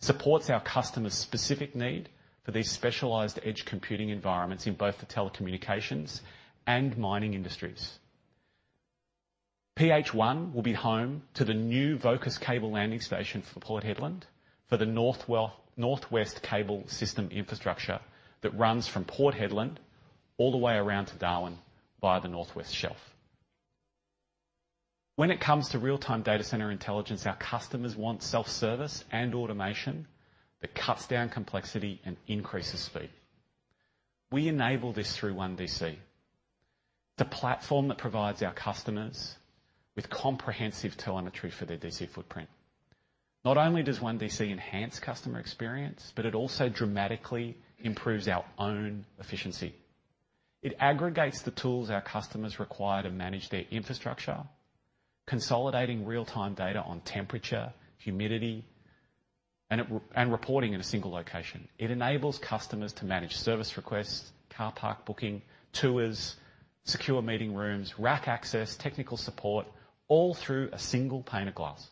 Supports our customers' specific need for these specialized edge computing environments in both the telecommunications and mining industries. PH1 will be home to the new Vocus cable landing station for Port Hedland for the North-West Cable System infrastructure that runs from Port Hedland all the way around to Darwin via the Northwest Shelf. When it comes to real-time data center intelligence, our customers want self-service and automation that cuts down complexity and increases speed. We enable this through ONEDC, the platform that provides our customers with comprehensive telemetry for their DC footprint. Not only does ONEDC enhance customer experience, but it also dramatically improves our own efficiency. It aggregates the tools our customers require to manage their infrastructure, consolidating real-time data on temperature, humidity, and reporting in a single location. It enables customers to manage service requests, car park booking, tours, secure meeting rooms, rack access, technical support, all through a single pane of glass.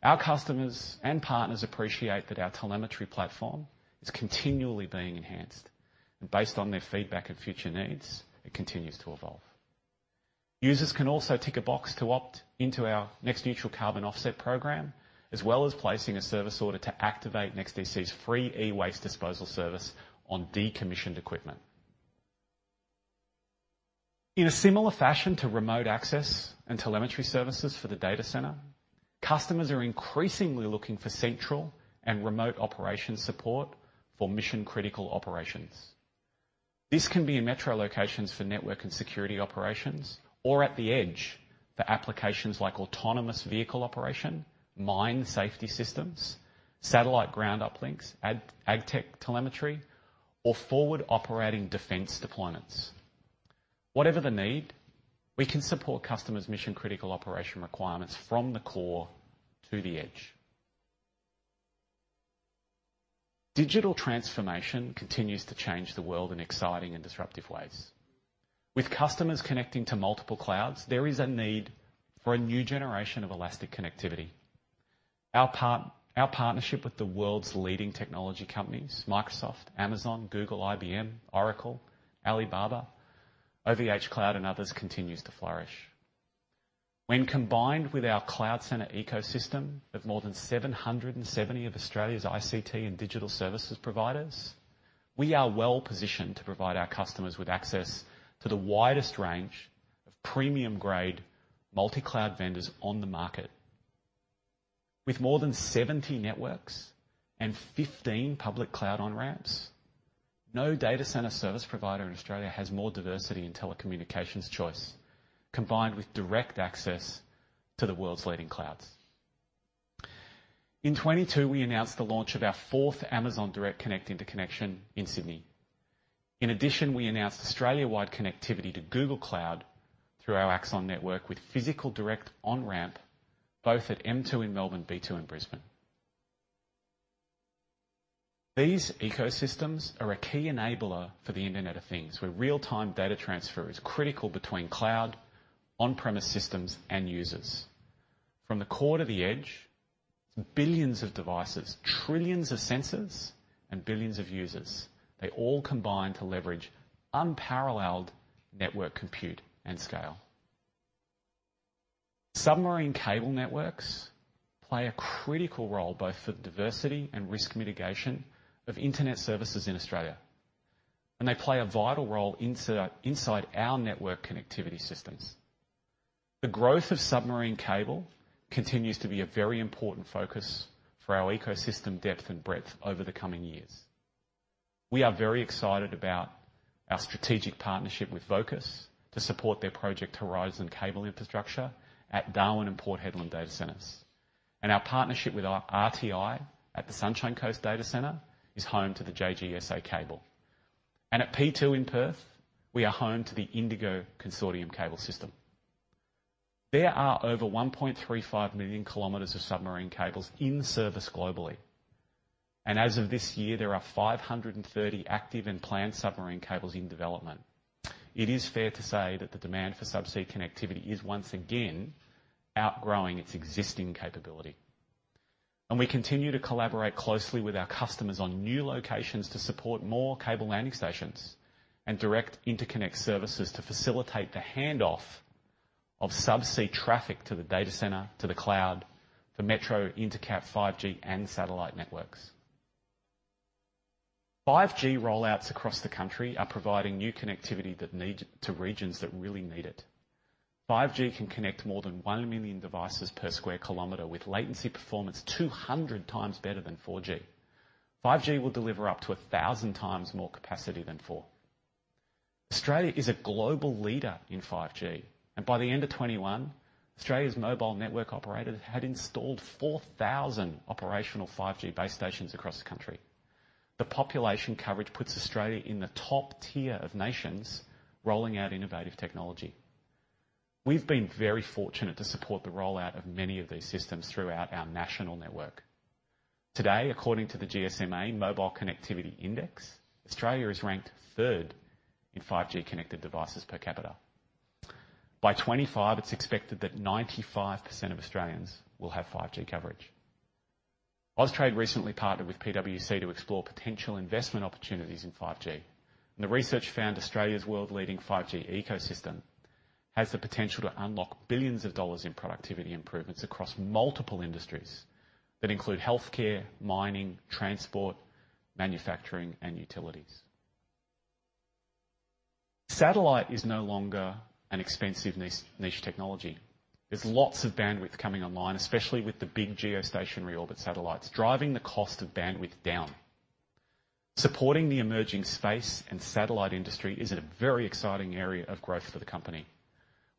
Our customers and partners appreciate that our telemetry platform is continually being enhanced. Based on their feedback and future needs, it continues to evolve. Users can also tick a box to opt into our NEXTneutral carbon offset program, as well as placing a service order to activate NEXTDC's free e-waste disposal service on decommissioned equipment. In a similar fashion to remote access and telemetry services for the data center, customers are increasingly looking for central and remote operations support for mission-critical operations. This can be in metro locations for network and security operations, or at the edge for applications like autonomous vehicle operation, mine safety systems, satellite ground uplinks, ag tech telemetry, or forward operating defense deployments. Whatever the need, we can support customers' mission-critical operation requirements from the core to the edge. Digital transformation continues to change the world in exciting and disruptive ways. With customers connecting to multiple clouds, there is a need for a new generation of elastic connectivity. Our partnership with the world's leading technology companies, Microsoft, Amazon, Google, IBM, Oracle, Alibaba, OVHcloud, and others, continues to flourish. When combined with our cloud center ecosystem of more than 770 of Australia's ICT and digital services providers, we are well-positioned to provide our customers with access to the widest range of premium-grade multi-cloud vendors on the market. With more than 70 networks and 15 public cloud on-ramps, no data center service provider in Australia has more diversity and telecommunications choice, combined with direct access to the world's leading clouds. In 2022, we announced the launch of our fourth Amazon Direct Connect interconnection in Sydney. In addition, we announced Australia-wide connectivity to Google Cloud through our AXON network with physical direct on-ramp, both at M2 in Melbourne, B2 in Brisbane. These ecosystems are a key enabler for the Internet of Things, where real-time data transfer is critical between cloud, on-premise systems, and users. From the core to the edge, billions of devices, trillions of sensors, and billions of users, they all combine to leverage unparalleled network compute and scale. Submarine cable networks play a critical role both for the diversity and risk mitigation of internet services in Australia. They play a vital role inside our network connectivity systems. The growth of submarine cable continues to be a very important focus for our ecosystem depth and breadth over the coming years. We are very excited about our strategic partnership with Vocus to support their Project Horizon cable infrastructure at Darwin and Port Hedland data centers. Our partnership with RTI at the Sunshine Coast Data Center is home to the JGAS cable. At P2 in Perth, we are home to the Indigo Consortium cable system. There are over 1.35 million km of submarine cables in service globally. As of this year, there are 530 active and planned submarine cables in development. It is fair to say that the demand for subsea connectivity is once again outgrowing its existing capability. We continue to collaborate closely with our customers on new locations to support more cable landing stations and direct interconnect services to facilitate the handoff of subsea traffic to the data center, to the cloud, the metro, inter-capital, 5G, and satellite networks. 5G rollouts across the country are providing new connectivity to regions that really need it. 5G can connect more than 1 million devices per sq km with latency performance 200 times better than 4G. 5G will deliver up to 1,000 times more capacity than 4G. Australia is a global leader in 5G, and by the end of 2021, Australia's mobile network operators had installed 4,000 operational 5G base stations across the country. The population coverage puts Australia in the top tier of nations rolling out innovative technology. We've been very fortunate to support the rollout of many of these systems throughout our national network. Today, according to the GSMA Mobile Connectivity Index, Australia is ranked third in 5G connected devices per capita. By 2025, it's expected that 95% of Australians will have 5G coverage. Austrade recently partnered with PwC to explore potential investment opportunities in 5G, and the research found Australia's world-leading 5G ecosystem has the potential to unlock billions of dollars in productivity improvements across multiple industries that include healthcare, mining, transport, manufacturing, and utilities. Satellite is no longer an expensive niche technology. There's lots of bandwidth coming online, especially with the big geostationary orbit satellites, driving the cost of bandwidth down. Supporting the emerging space and satellite industry is a very exciting area of growth for the company.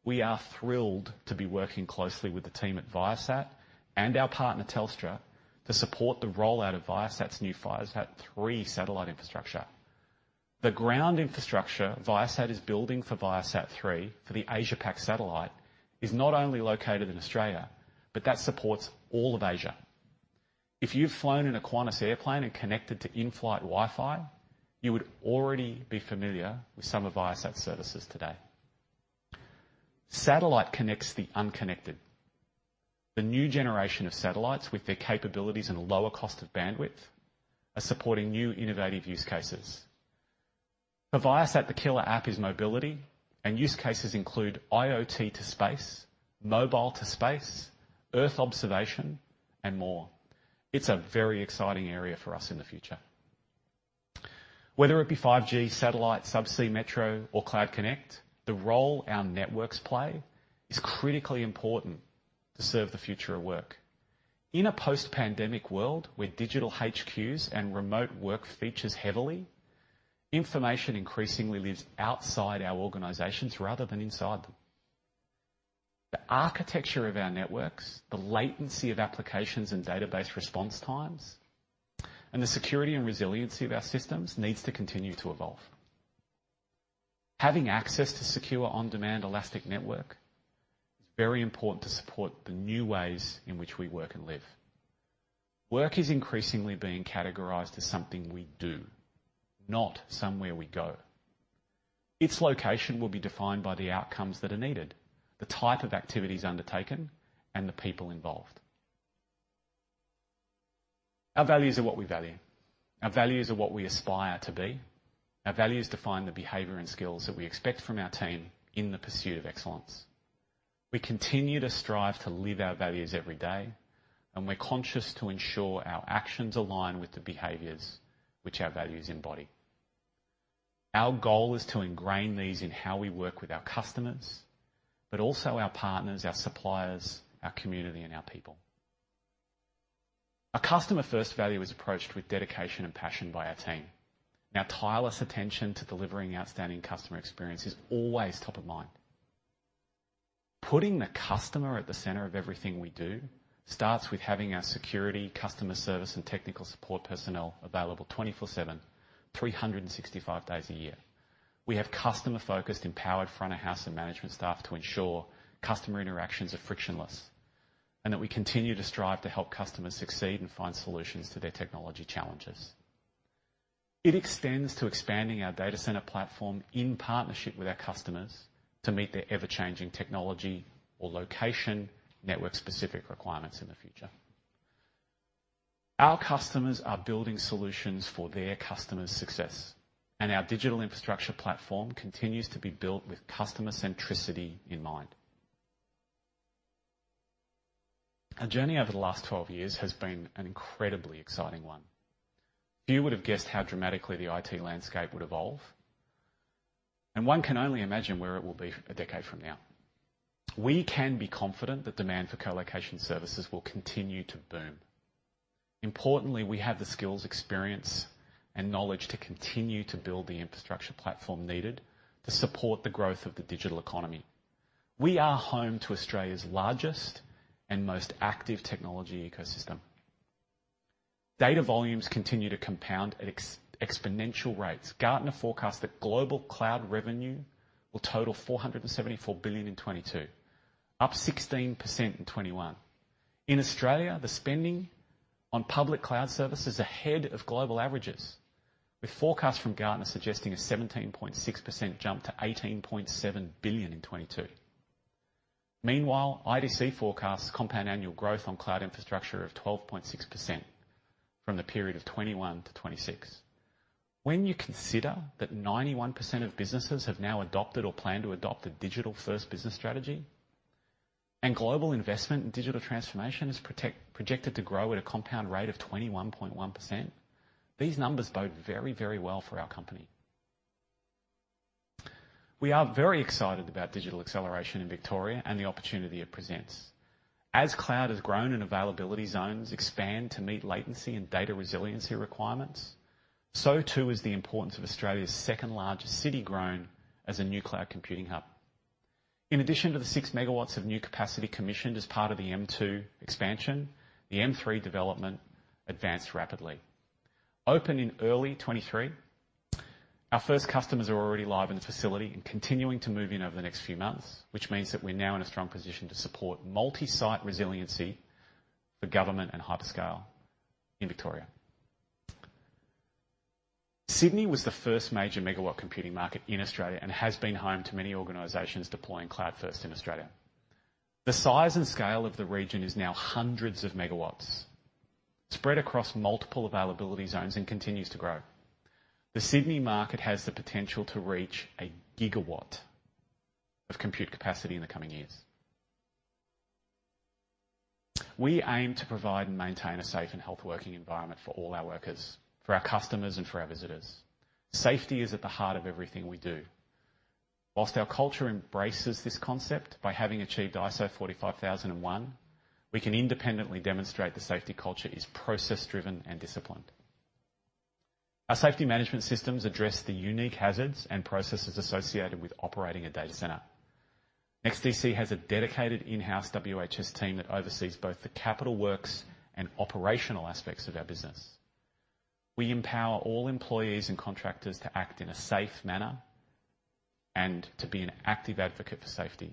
We are thrilled to be working closely with the team at Viasat and our partner, Telstra, to support the rollout of Viasat's new ViaSat-3 satellite infrastructure. The ground infrastructure Viasat is building for ViaSat-3 for the Asia Pac satellite is not only located in Australia, but that supports all of Asia. If you've flown in a Qantas airplane and connected to in-flight Wi-Fi, you would already be familiar with some of Viasat's services today. Satellite connects the unconnected. The new generation of satellites with their capabilities and a lower cost of bandwidth are supporting new innovative use cases. For Viasat, the killer app is mobility, and use cases include IoT to space, mobile to space, Earth observation, and more. It's a very exciting area for us in the future. Whether it be 5G, satellite, subsea metro, or Cloud Connect, the role our networks play is critically important to serve the future of work. In a post-pandemic world where digital HQ's and remote work features heavily, information increasingly lives outside our organizations rather than inside them. The architecture of our networks, the latency of applications and database response times, and the security and resiliency of our systems needs to continue to evolve. Having access to secure on-demand elastic network is very important to support the new ways in which we work and live. Work is increasingly being categorized as something we do, not somewhere we go. Its location will be defined by the outcomes that are needed, the type of activities undertaken, and the people involved. Our values are what we value. Our values are what we aspire to be. Our values define the behavior and skills that we expect from our team in the pursuit of excellence. We continue to strive to live our values every day, and we're conscious to ensure our actions align with the behaviors which our values embody. Our goal is to ingrain these in how we work with our customers, but also our partners, our suppliers, our community, and our people. A customer-first value is approached with dedication and passion by our team. Our tireless attention to delivering outstanding customer experience is always top of mind. Putting the customer at the center of everything we do starts with having our security, customer service, and technical support personnel available 24/7, 365 days a year. We have customer-focused, empowered front-of-house and management staff to ensure customer interactions are frictionless, and that we continue to strive to help customers succeed and find solutions to their technology challenges. It extends to expanding our data center platform in partnership with our customers to meet their ever-changing technology or location network-specific requirements in the future. Our customers are building solutions for their customers' success, and our digital infrastructure platform continues to be built with customer centricity in mind. Our journey over the last 12 years has been an incredibly exciting one. Few would have guessed how dramatically the IT landscape would evolve, and one can only imagine where it will be a decade from now. We can be confident that demand for colocation services will continue to boom. Importantly, we have the skills, experience, and knowledge to continue to build the infrastructure platform needed to support the growth of the digital economy. We are home to Australia's largest and most active technology ecosystem. Data volumes continue to compound at exponential rates. Gartner forecasts that global cloud revenue will total 474 billion in 2022, up 16% in 2021. In Australia, the spending on public cloud services ahead of global averages, with forecasts from Gartner suggesting a 17.6% jump to 18.7 billion in 2022. Meanwhile, IDC forecasts compound annual growth on cloud infrastructure of 12.6% from the period of 2021-2026. When you consider that 91% of businesses have now adopted or plan to adopt a digital-first business strategy, and global investment in digital transformation is projected to grow at a compound rate of 21.1%, these numbers bode very, very well for our company. We are very excited about digital acceleration in Victoria and the opportunity it presents. As cloud has grown and availability zones expand to meet latency and data resiliency requirements, so too is the importance of Australia's second-largest city growing as a new cloud computing hub. In addition to the 6 MW of new capacity commissioned as part of the M2 expansion, the M3 development advanced rapidly. Open in early 2023, our first customers are already live in the facility and continuing to move in over the next few months, which means that we're now in a strong position to support multi-site resiliency for government and hyperscale in Victoria. Sydney was the first major megawatt computing market in Australia and has been home to many organizations deploying cloud-first in Australia. The size and scale of the region is now hundreds of megawatts spread across multiple availability zones and continues to grow. The Sydney market has the potential to reach a gigawatt of compute capacity in the coming years. We aim to provide and maintain a safe and healthy working environment for all our workers, for our customers, and for our visitors. Safety is at the heart of everything we do. Whilst our culture embraces this concept by having achieved ISO 45001, we can independently demonstrate the safety culture is process-driven and disciplined. Our safety management systems address the unique hazards and processes associated with operating a data center. NEXTDC has a dedicated in-house WHS team that oversees both the capital works and operational aspects of our business. We empower all employees and contractors to act in a safe manner and to be an active advocate for safety.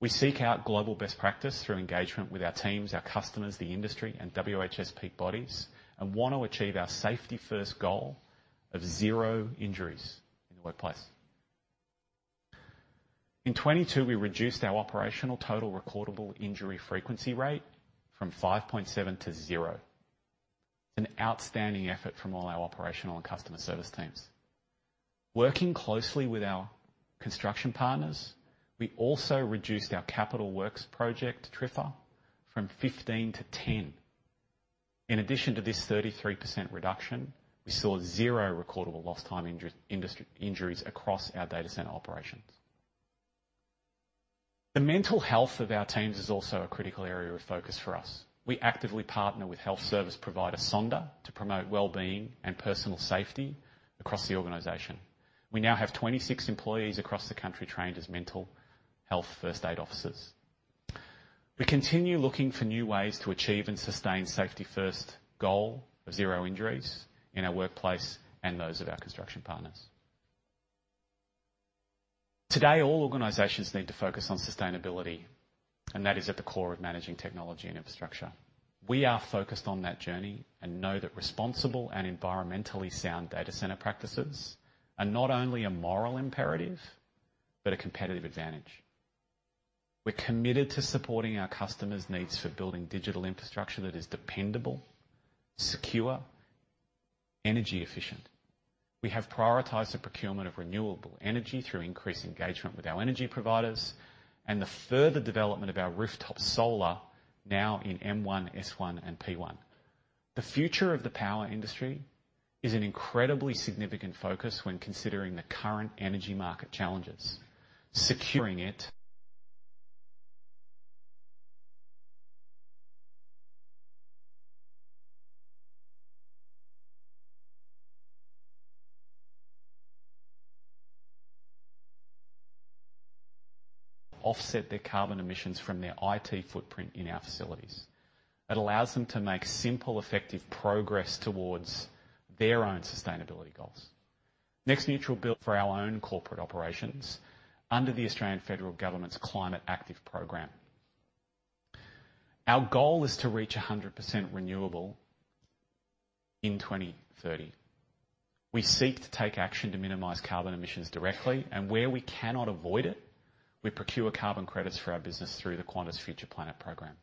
We seek out global best practice through engagement with our teams, our customers, the industry, and WHS peak bodies, and want to achieve our safety-first goal of zero injuries in the workplace. In 2022, we reduced our operational total recordable injury frequency rate from 5.7 to 0. An outstanding effort from all our operational and customer service teams. Working closely with our construction partners, we also reduced our capital works project TRIFR from 15 to 10. In addition to this 33% reduction, we saw zero recordable lost time injuries across our data center operations. The mental health of our teams is also a critical area of focus for us. We actively partner with health service provider Sonder to promote well-being and personal safety across the organization. We now have 26 employees across the country trained as mental health first aid officers. We continue looking for new ways to achieve and sustain safety-first goal of zero injuries in our workplace and those of our construction partners. Today, all organizations need to focus on sustainability, and that is at the core of managing technology and infrastructure. We are focused on that journey and know that responsible and environmentally sound data center practices are not only a moral imperative but a competitive advantage. We're committed to supporting our customers' needs for building digital infrastructure that is dependable, secure, energy-efficient. We have prioritized the procurement of renewable energy through increased engagement with our energy providers and the further development of our rooftop solar now in M1, S1, and P1. The future of the power industry is an incredibly significant focus when considering the current energy market challenges, securing it. Offset their carbon emissions from their IT footprint in our facilities. It allows them to make simple, effective progress towards their own sustainability goals. NEXTneutral built for our own corporate operations under the Australian Federal Government's Climate Active program. Our goal is to reach 100% renewable in 2030. We seek to take action to minimize carbon emissions directly, and where we cannot avoid it, we procure carbon credits for our business through the Qantas Future Planet program.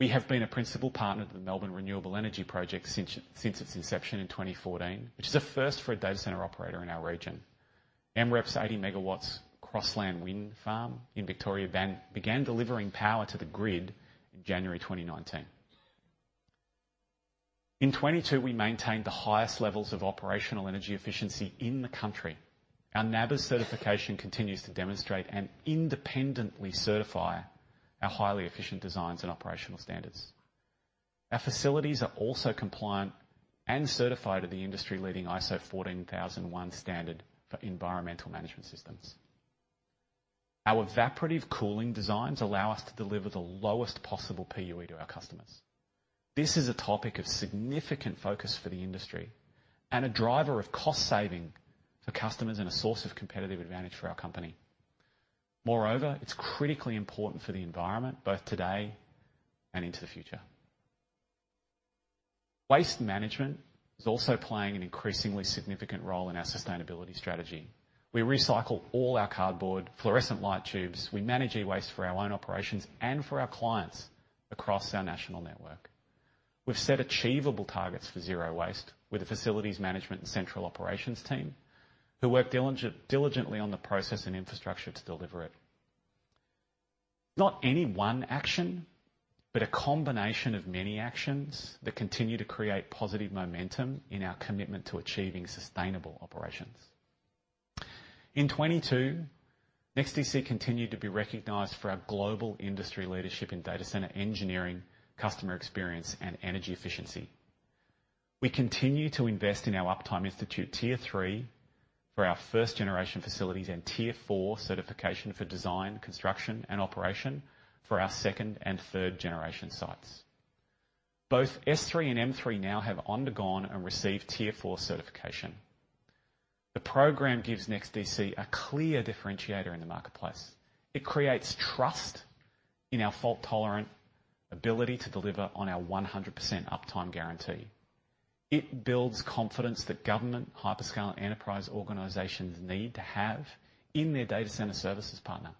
We have been a principal partner to the Melbourne Renewable Energy Project since its inception in 2014, which is a first for a data center operator in our region. MREP's 80 MW Crowlands Wind Farm in Victoria began delivering power to the grid in January 2019. In 2022, we maintained the highest levels of operational energy efficiency in the country. Our NABERS certification continues to demonstrate and independently certify our highly efficient designs and operational standards. Our facilities are also compliant and certified to the industry-leading ISO 14001 standard for environmental management systems. Our evaporative cooling designs allow us to deliver the lowest possible PUE to our customers. This is a topic of significant focus for the industry and a driver of cost saving for customers and a source of competitive advantage for our company. Moreover, it's critically important for the environment, both today and into the future. Waste management is also playing an increasingly significant role in our sustainability strategy. We recycle all our cardboard, fluorescent light tubes. We manage e-waste for our own operations and for our clients across our national network. We've set achievable targets for zero waste with the facilities management and central operations team, who work diligently on the process and infrastructure to deliver it. Not any one action, but a combination of many actions that continue to create positive momentum in our commitment to achieving sustainable operations. In 2022, NEXTDC continued to be recognized for our global industry leadership in data center engineering, customer experience, and energy efficiency. We continue to invest in our Uptime Institute Tier III for our first-generation facilities and Tier IV certification for design, construction, and operation for our second and third generation sites. Both S3 and M3 now have undergone and received Tier IV certification. The program gives NEXTDC a clear differentiator in the marketplace. It creates trust in our fault-tolerant ability to deliver on our 100% uptime guarantee. It builds confidence that government hyperscale enterprise organizations need to have in their data center services partner.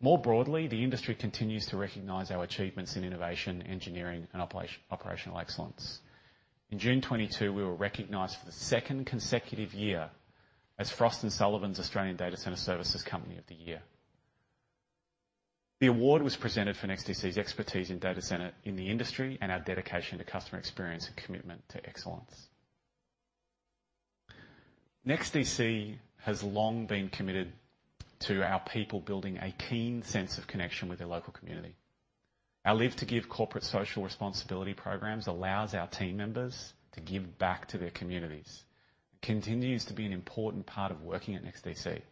More broadly, the industry continues to recognize our achievements in innovation, engineering, and operational excellence. In June 2022, we were recognized for the second consecutive year as Frost & Sullivan's Australian Data Center Services Company of the Year. The award was presented for NEXTDC's expertise in data center in the industry and our dedication to customer experience and commitment to excellence. NEXTDC has long been committed to our people building a keen sense of connection with their local community. Our Live to Give corporate social responsibility programs allows our team members to give back to their communities. It continues to be an important part of working at NEXTDC.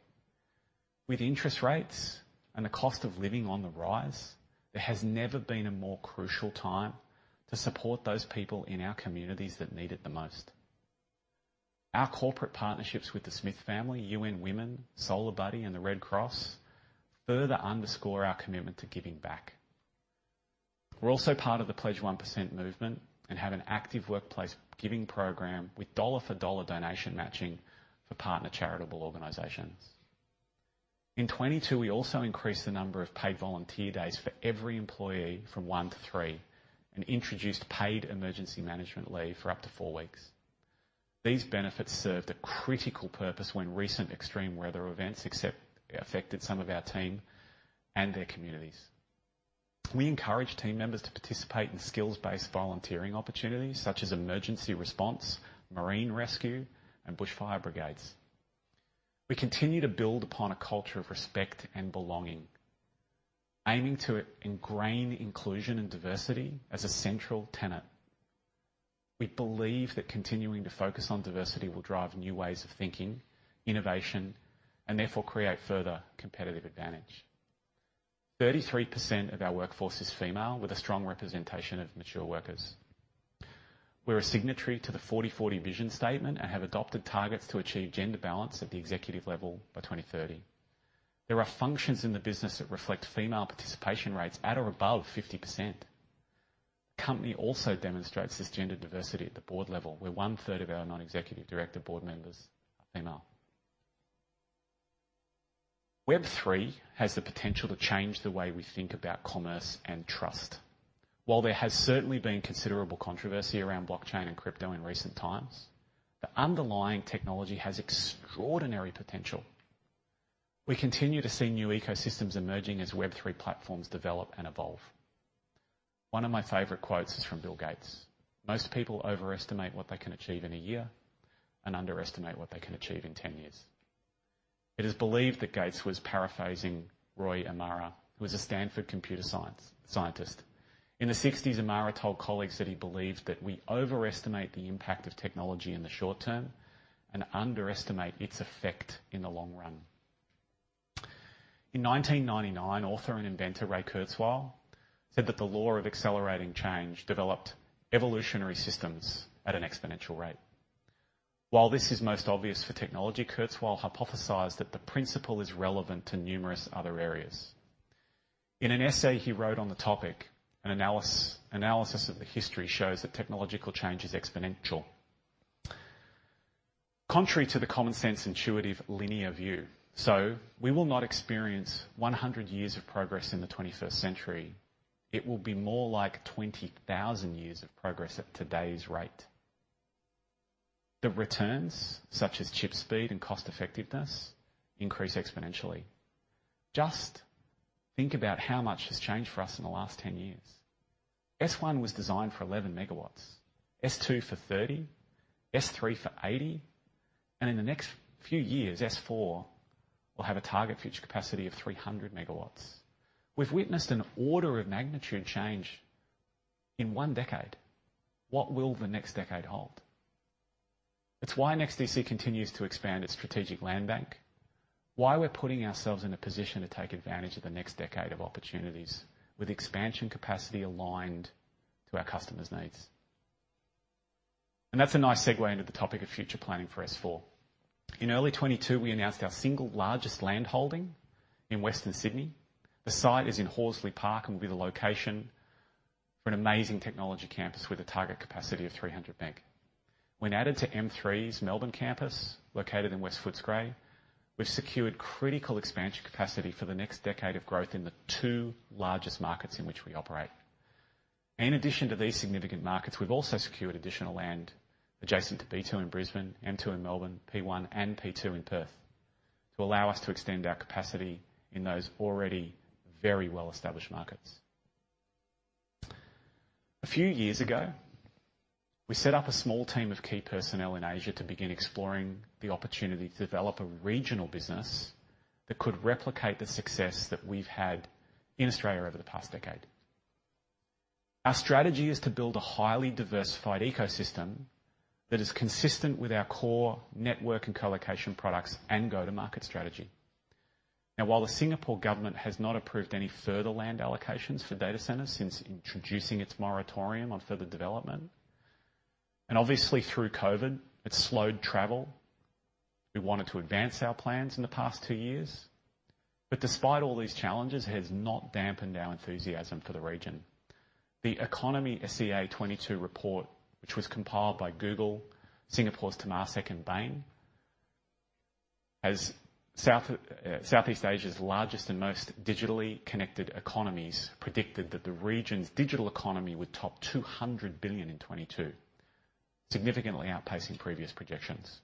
With interest rates and the cost of living on the rise, there has never been a more crucial time to support those people in our communities that need it the most. Our corporate partnerships with The Smith Family, UN Women, SolarBuddy, and the Red Cross further underscore our commitment to giving back. We're also part of the Pledge 1% movement and have an active workplace giving program with dollar-for-dollar donation matching for partner charitable organizations. In 2022, we also increased the number of paid volunteer days for every employee from one to three and introduced paid emergency management leave for up to four weeks. These benefits served a critical purpose when recent extreme weather events affected some of our team and their communities. We encourage team members to participate in skills-based volunteering opportunities such as emergency response, marine rescue, and bushfire brigades. We continue to build upon a culture of respect and belonging, aiming to ingrain inclusion and diversity as a central tenet. We believe that continuing to focus on diversity will drive new ways of thinking, innovation, and therefore create further competitive advantage. 33% of our workforce is female with a strong representation of mature workers. We're a signatory to the 40:40 Vision statement and have adopted targets to achieve gender balance at the executive level by 2030. There are functions in the business that reflect female participation rates at or above 50%. Company also demonstrates this gender diversity at the board level, where 1/3 of our Non-Executive Director board members are female. Web3 has the potential to change the way we think about commerce and trust. While there has certainly been considerable controversy around blockchain and crypto in recent times, the underlying technology has extraordinary potential. We continue to see new ecosystems emerging as Web3 platforms develop and evolve. One of my favorite quotes is from Bill Gates, "Most people overestimate what they can achieve in a year and underestimate what they can achieve in 10 years." It is believed that Gates was paraphrasing Roy Amara, who was a Stanford computer scientist. In the 1960s, Amara told colleagues that he believed that we overestimate the impact of technology in the short term and underestimate its effect in the long run. In 1999, author and inventor Ray Kurzweil said that the law of accelerating change developed evolutionary systems at an exponential rate. While this is most obvious for technology, Kurzweil hypothesized that the principle is relevant to numerous other areas. In an essay he wrote on the topic, an analysis of the history shows that technological change is exponential, contrary to the common-sense, intuitive, linear view. We will not experience 100 years of progress in the 21st century. It will be more like 20,000 years of progress at today's rate. The returns, such as chip speed and cost-effectiveness, increase exponentially. Just think about how much has changed for us in the last 10 years. S1 was designed for 11 MW, S2 for 30 MW, S3 for 80 MW, and in the next few years, S4 will have a target future capacity of 300 MW. We've witnessed an order of magnitude change in one decade. What will the next decade hold? It's why NEXTDC continues to expand its strategic land bank. Why we're putting ourselves in a position to take advantage of the next decade of opportunities with expansion capacity aligned to our customers' needs. And that's a nice segue into the topic of future planning for S4. In early 2022, we announced our single largest land holding in Western Sydney. The site is in Horsley Park and will be the location for an amazing technology campus with a target capacity of three hundred meg. When added to M3's Melbourne campus, located in West Footscray, we've secured critical expansion capacity for the next decade of growth in the two largest markets in which we operate. In addition to these significant markets, we've also secured additional land adjacent to B2 in Brisbane, M2 in Melbourne, P1 and P2 in Perth, to allow us to extend our capacity in those already very well-established markets. A few years ago, we set up a small team of key personnel in Asia to begin exploring the opportunity to develop a regional business that could replicate the success that we've had in Australia over the past decade. Our strategy is to build a highly diversified ecosystem that is consistent with our core network and colocation products and go-to-market strategy. Now, while the Singapore Government has not approved any further land allocations for data centers since introducing its moratorium on further development, and obviously through COVID, it slowed travel. We wanted to advance our plans in the past two years. Despite all these challenges, it has not dampened our enthusiasm for the region. The e-Conomy SEA 2022 report, which was compiled by Google, Singapore's Temasek, and Bain, as Southeast Asia's largest and most digitally connected economies, predicted that the region's digital economy would top 200 billion in 2022, significantly outpacing previous projections.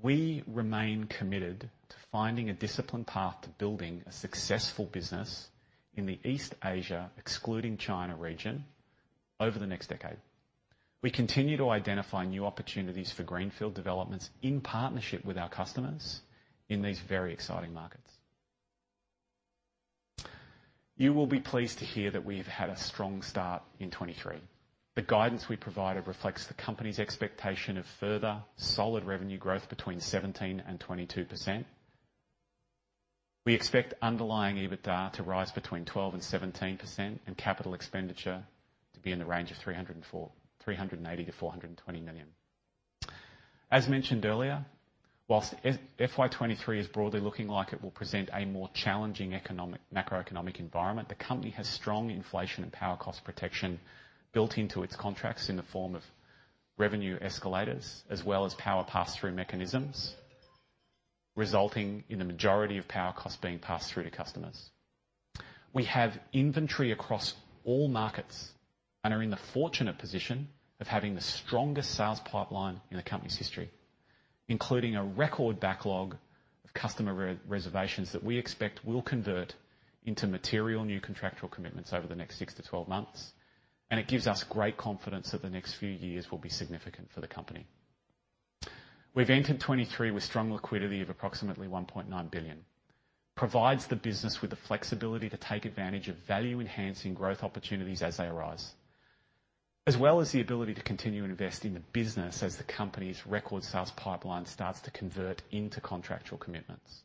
We remain committed to finding a disciplined path to building a successful business in the East Asia excluding China region over the next decade. We continue to identify new opportunities for greenfield developments in partnership with our customers in these very exciting markets. You will be pleased to hear that we've had a strong start in 2023. The guidance we provided reflects the company's expectation of further solid revenue growth between 17% and 22%. We expect underlying EBITDA to rise between 12% and 17%, and capital expenditure to be in the range of 380 million-420 million. As mentioned earlier, whilst FY 2023 is broadly looking like it will present a more challenging macroeconomic environment, the company has strong inflation and power cost protection built into its contracts in the form of revenue escalators as well as power pass-through mechanisms, resulting in the majority of power costs being passed through to customers. We have inventory across all markets and are in the fortunate position of having the strongest sales pipeline in the company's history, including a record backlog of customer re-reservations that we expect will convert into material new contractual commitments over the next six months to 12 months. It gives us great confidence that the next few years will be significant for the company. We've entered 2023 with strong liquidity of approximately 1.9 billion. Provides the business with the flexibility to take advantage of value-enhancing growth opportunities as they arise, as well as the ability to continue to invest in the business as the company's record sales pipeline starts to convert into contractual commitments.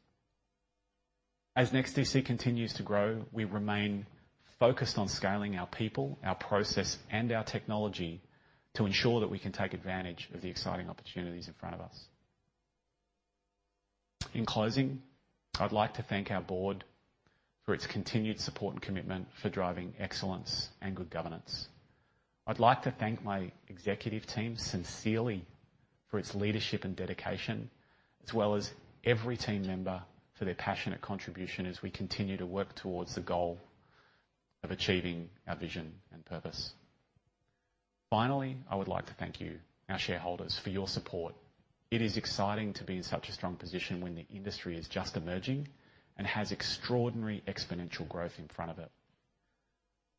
As NEXTDC continues to grow, we remain focused on scaling our people, our process, and our technology to ensure that we can take advantage of the exciting opportunities in front of us. In closing, I'd like to thank our board for its continued support and commitment for driving excellence and good governance. I'd like to thank my executive team sincerely for its leadership and dedication, as well as every team member for their passionate contribution as we continue to work towards the goal of achieving our vision and purpose. Finally, I would like to thank you, our shareholders, for your support. It is exciting to be in such a strong position when the industry is just emerging and has extraordinary exponential growth in front of it.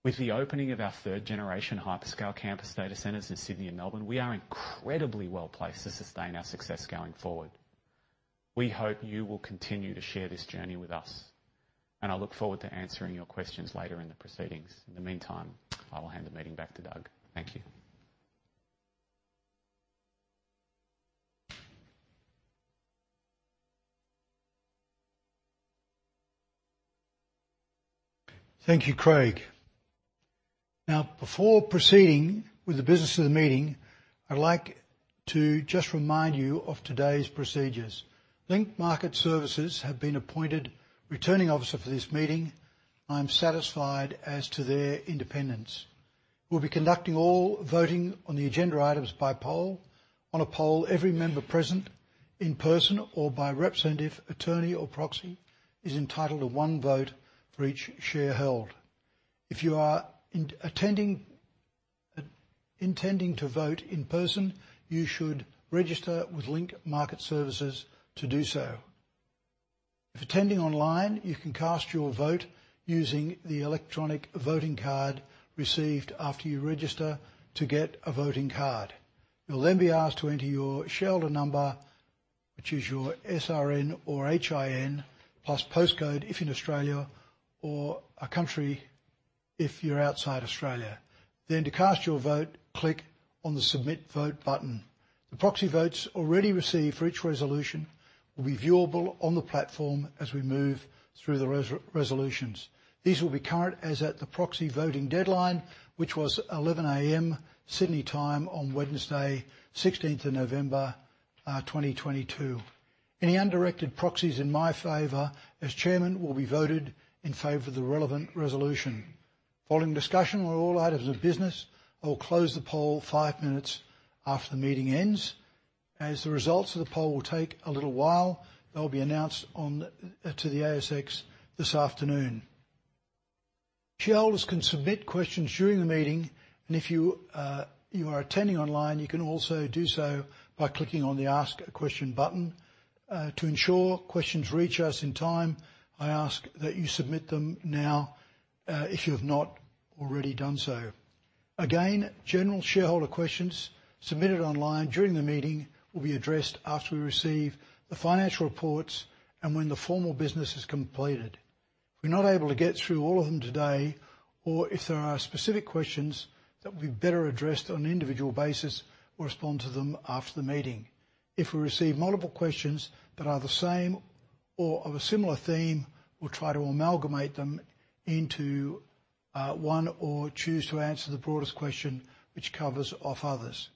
With the opening of our 3rd generation hyperscale campus data centers in Sydney and Melbourne, we are incredibly well-placed to sustain our success going forward. We hope you will continue to share this journey with us, and I look forward to answering your questions later in the proceedings. In the meantime, I will hand the meeting back to Doug. Thank you. Thank you, Craig. Now, before proceeding with the business of the meeting, I'd like to just remind you of today's procedures. Link Market Services have been appointed Returning Officer for this meeting. I'm satisfied as to their independence. We'll be conducting all voting on the agenda items by poll. On a poll, every member present, in person or by representative, attorney, or proxy, is entitled to one vote for each share held. If you are intending to vote in person, you should register with Link Market Services to do so. If attending online, you can cast your vote using the electronic voting card received after you register to get a voting card. You'll then be asked to enter your shareholder number, which is your SRN or HIN, plus postcode if in Australia or a country if you're outside Australia. To cast your vote, click on the Submit Vote button. The proxy votes already received for each resolution will be viewable on the platform as we move through the resolutions. These will be current as at the proxy voting deadline, which was 11:00 A.M. Sydney time on Wednesday, 16th of November 2022. Any undirected proxies in my favor as Chairman will be voted in favor of the relevant resolution. Following discussion on all items of business, I will close the poll five minutes after the meeting ends. As the results of the poll will take a little while, they'll be announced to the ASX this afternoon. Shareholders can submit questions during the meeting, and if you are attending online, you can also do so by clicking on the Ask a Question button. To ensure questions reach us in time, I ask that you submit them now if you have not already done so. Again, general shareholder questions submitted online during the meeting will be addressed after we receive the financial reports and when the formal business is completed. If we're not able to get through all of them today, or if there are specific questions that would be better addressed on an individual basis, we'll respond to them after the meeting. If we receive multiple questions that are the same or of a similar theme, we'll try to amalgamate them into one or choose to answer the broadest question which covers off others.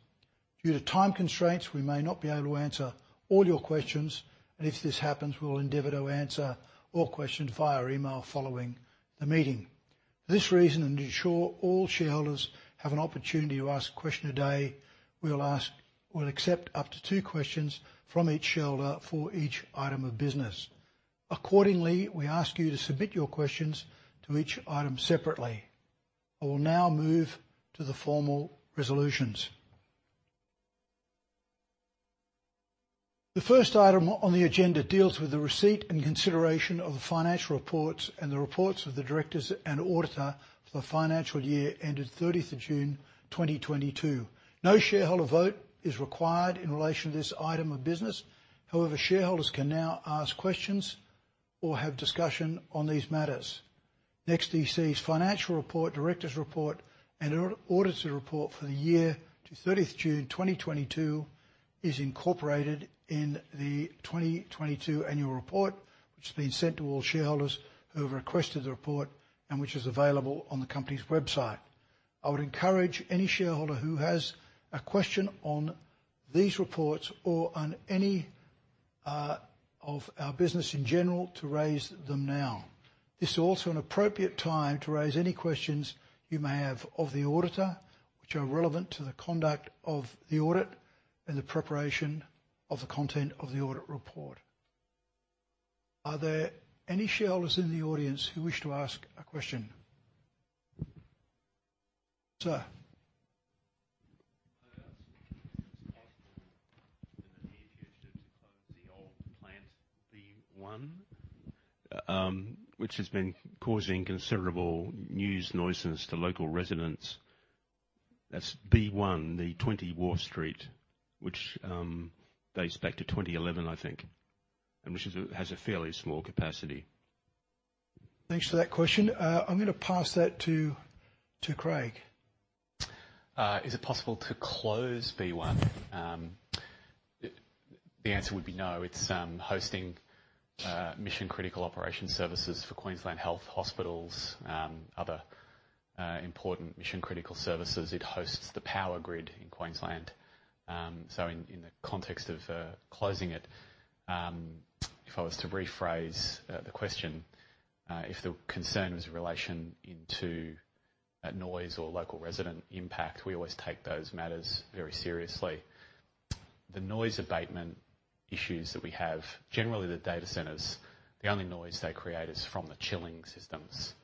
Due to time constraints, we may not be able to answer all your questions, and if this happens, we will endeavor to answer all questions via email following the meeting. For this reason, and to ensure all shareholders have an opportunity to ask a question today, we'll accept up to two questions from each shareholder for each item of business. Accordingly, we ask you to submit your questions to each item separately. I will now move to the formal resolutions. The first item on the agenda deals with the receipt and consideration of the financial reports and the reports of the directors and auditor for the financial year ended 30th of June, 2022. No shareholder vote is required in relation to this item of business. However, shareholders can now ask questions or have discussion on these matters. NEXTDC's financial report, directors' report, and auditor's report for the year to 30th June, 2022 is incorporated in the 2022 annual report, which has been sent to all shareholders who have requested the report and which is available on the company's website. I would encourage any shareholder who has a question on these reports or on any of our business in general to raise them now. This is also an appropriate time to raise any questions you may have of the auditor, which are relevant to the conduct of the audit and the preparation of the content of the audit report. Are there any shareholders in the audience who wish to ask a question? Sir. Can I ask if it's possible in the near future to close the old plant B1, which has been causing considerable noise nuisance to local residents? That's B1, the Wharf Street, which dates back to 2011, I think, and which has a fairly small capacity. Thanks for that question. I'm gonna pass that to Craig. Uh, is it possible to close B1? Um, it-- the answer would be no. It's, um, hosting, uh, mission-critical operation services for Queensland Health hospitals, um, other, uh, important mission-critical services. It hosts the power grid in Queensland. Um, so in the context of, uh, closing it, um, if I was to rephrase the question, uh, if the concern was in relation into, uh, noise or local resident impact, we always take those matters very seriously. The noise abatement issues that we have, generally the data centers, the only noise they create is from the chilling systems.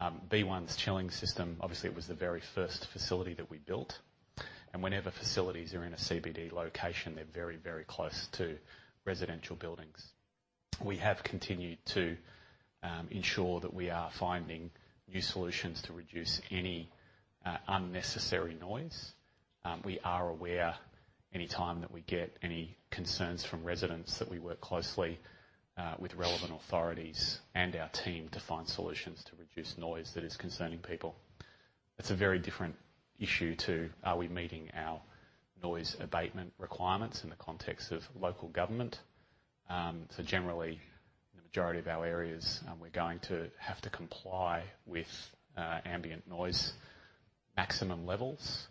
Um, B1's chilling system, obviously it was the very first facility that we built, and whenever facilities are in a CBD location, they're very, very close to residential buildings. We have continued to, um, ensure that we are finding new solutions to reduce any, uh, unnecessary noise. We are aware any time that we get any concerns from residents, that we work closely with relevant authorities and our team to find solutions to reduce noise that is concerning people. It's a very different issue to are we meeting our noise abatement requirements in the context of local government. Generally, the majority of our areas, we're going to have to comply with ambient noise maximum levels.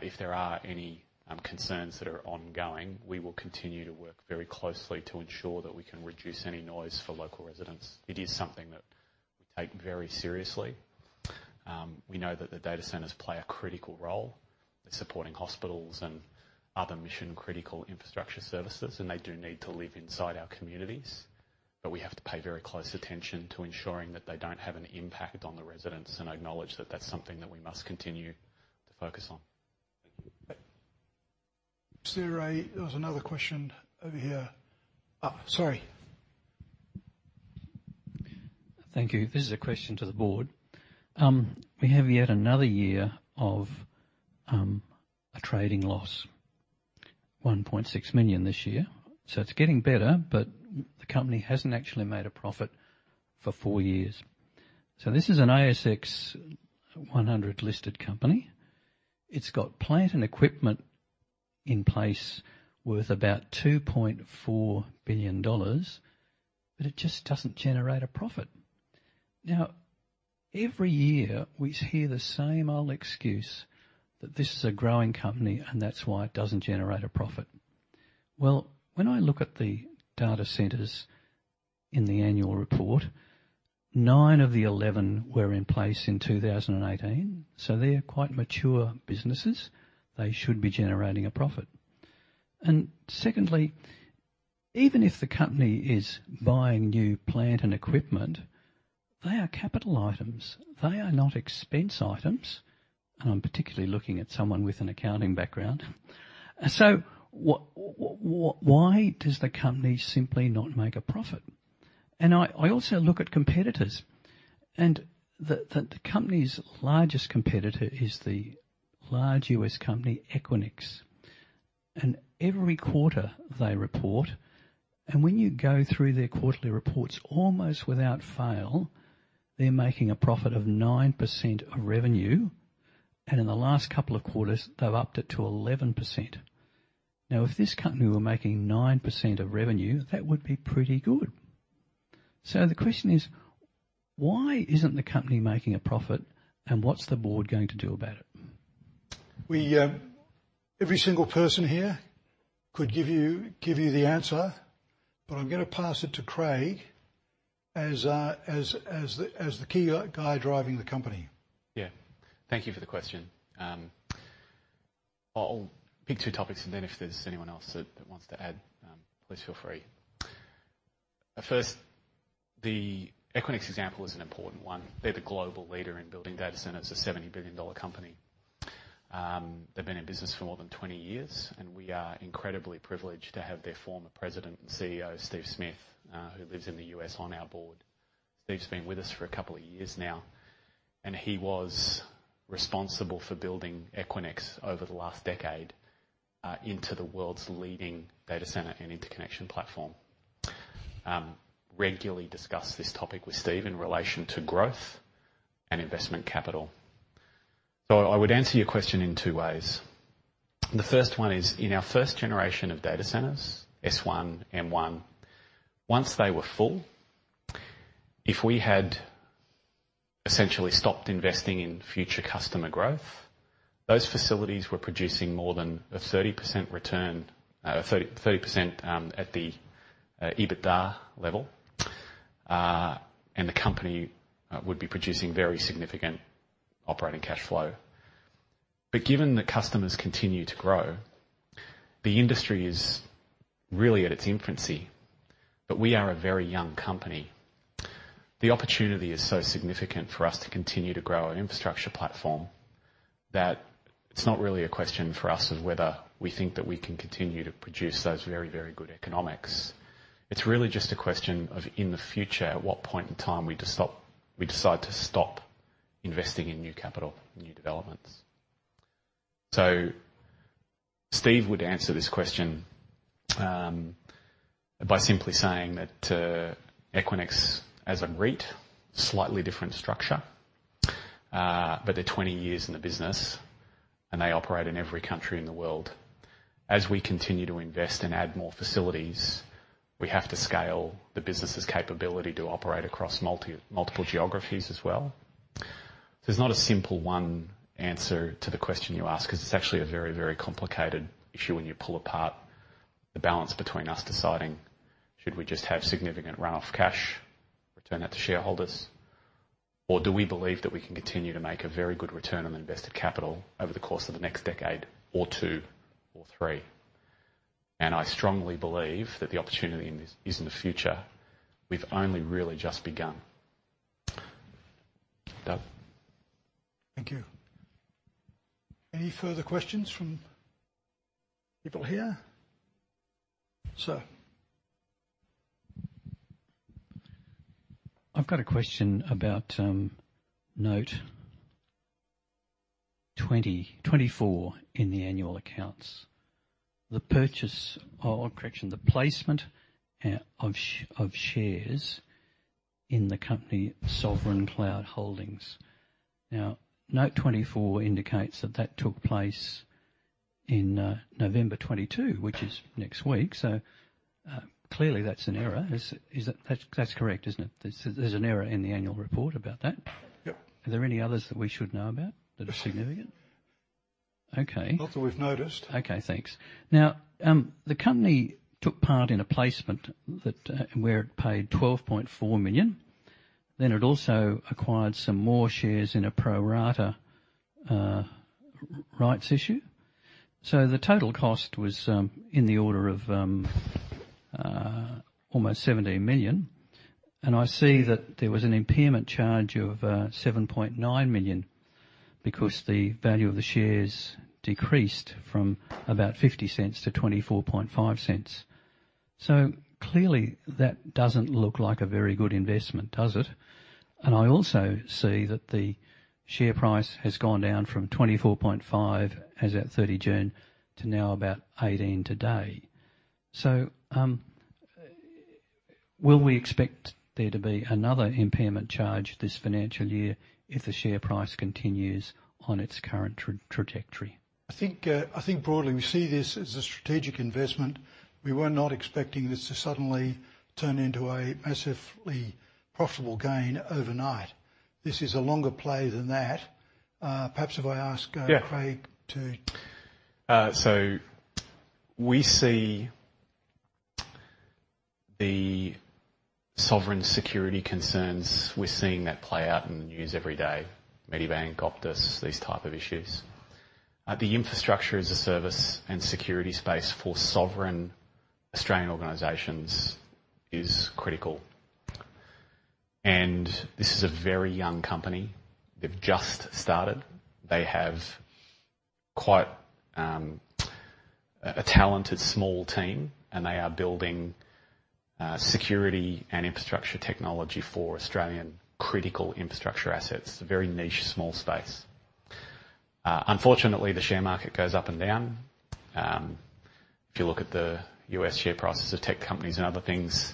If there are any concerns that are ongoing, we will continue to work very closely to ensure that we can reduce any noise for local residents. It is something that we take very seriously. We know that the data centers play a critical role in supporting hospitals and other mission-critical infrastructure services, and they do need to live inside our communities. We have to pay very close attention to ensuring that they don't have an impact on the residents, and I acknowledge that that's something that we must continue to focus on. Thank you. There was another question over here. Sorry. Thank you. This is a question to the board. We have yet another year of a trading loss, 1.6 million this year. It's getting better, but the company hasn't actually made a profit for four years. This is an ASX 100 listed company. It's got plant and equipment in place worth about 2.4 billion dollars, but it just doesn't generate a profit. Now, every year we hear the same old excuse that this is a growing company, and that's why it doesn't generate a profit. Well, when I look at the data centers in the annual report, nine of the 11 were in place in 2018. They are quite mature businesses. They should be generating a profit. Secondly, even if the company is buying new plant and equipment, they are capital items, they are not expense items. I'm particularly looking at someone with an accounting background. Why does the company simply not make a profit? I also look at competitors. The company's largest competitor is the large U.S. company, Equinix. Every quarter they report, and when you go through their quarterly reports, almost without fail, they're making a profit of 9% of revenue. In the last couple of quarters, they've upped it to 11%. Now, if this company were making 9% of revenue, that would be pretty good. The question is, why isn't the company making a profit? What's the board going to do about it? Every single person here could give you the answer, but I'm gonna pass it to Craig as the key guy driving the company. Yeah. Thank you for the question. I'll pick two topics, and then if there's anyone else that wants to add, please feel free. First, the Equinix example is an important one. They're the global leader in building data centers, a 70 billion-dollar company. They've been in business for more than 20 years, and we are incredibly privileged to have their former President and CEO, Steve Smith, who lives in the U.S., on our board. Steve's been with us for a couple of years now, and he was responsible for building Equinix over the last decade into the world's leading data center and interconnection platform. Regularly discuss this topic with Steve in relation to growth and investment capital. I would answer your question in two ways. The first one is in our first generation of data centers, S1, M1. Once they were full, if we had essentially stopped investing in future customer growth, those facilities were producing more than a 30% return, 30% at the EBITDA level. The company would be producing very significant operating cash flow. Given that customers continue to grow, the industry is really at its infancy, but we are a very young company. The opportunity is so significant for us to continue to grow our infrastructure platform that it's not really a question for us of whether we think that we can continue to produce those very good economics. It's really just a question of, in the future, at what point in time we decide to stop investing in new capital, new developments. Steve Smith would answer this question by simply saying that Equinix as a REIT, slightly different structure, but they're 20 years in the business, and they operate in every country in the world. As we continue to invest and add more facilities, we have to scale the business's capability to operate across multiple geographies as well. There's not a simple one answer to the question you ask because it's actually a very, very complicated issue when you pull apart the balance between us deciding should we just have significant run-off cash, return that to shareholders? Do we believe that we can continue to make a very good return on invested capital over the course of the next decade or two or three? I strongly believe that the opportunity in this is in the future. We've only really just begun. Doug. Thank you. Any further questions from people here? Sir. I've got a question about Note 2024 in the annual accounts. Correction, the placement of shares in the company, Sovereign Cloud Holdings. Now, Note 2024 indicates that that took place in November 22, which is next week. Clearly, that's an error. Is it? That's correct, isn't it? There's an error in the annual report about that. Yep. Are there any others that we should know about that are significant? Okay. Not that we've noticed. Okay, thanks. Now, the company took part in a placement where it paid 12.4 million. It also acquired some more shares in a pro-rata rights issue. The total cost was in the order of almost 17 million. I see that there was an impairment charge of 7.9 million because the value of the shares decreased from about 0.50 to 0.245. Clearly that doesn't look like a very good investment, does it? I also see that the share price has gone down from 0.245 as at 30 June to now about 0.18 today. Will we expect there to be another impairment charge this financial year if the share price continues on its current trajectory? I think broadly we see this as a strategic investment. We were not expecting this to suddenly turn into a massively profitable gain overnight. This is a longer play than that. Yeah. Craig to. We see the sovereign security concerns. We're seeing that play out in the news every day. Medibank, Optus, these type of issues. The infrastructure as a service and security space for sovereign Australian organizations is critical. This is a very young company. They've just started. They have quite a talented small team, and they are building security and infrastructure technology for Australian critical infrastructure assets. A very niche, small space. Unfortunately, the share market goes up and down. If you look at the U.S. share prices of tech companies and other things,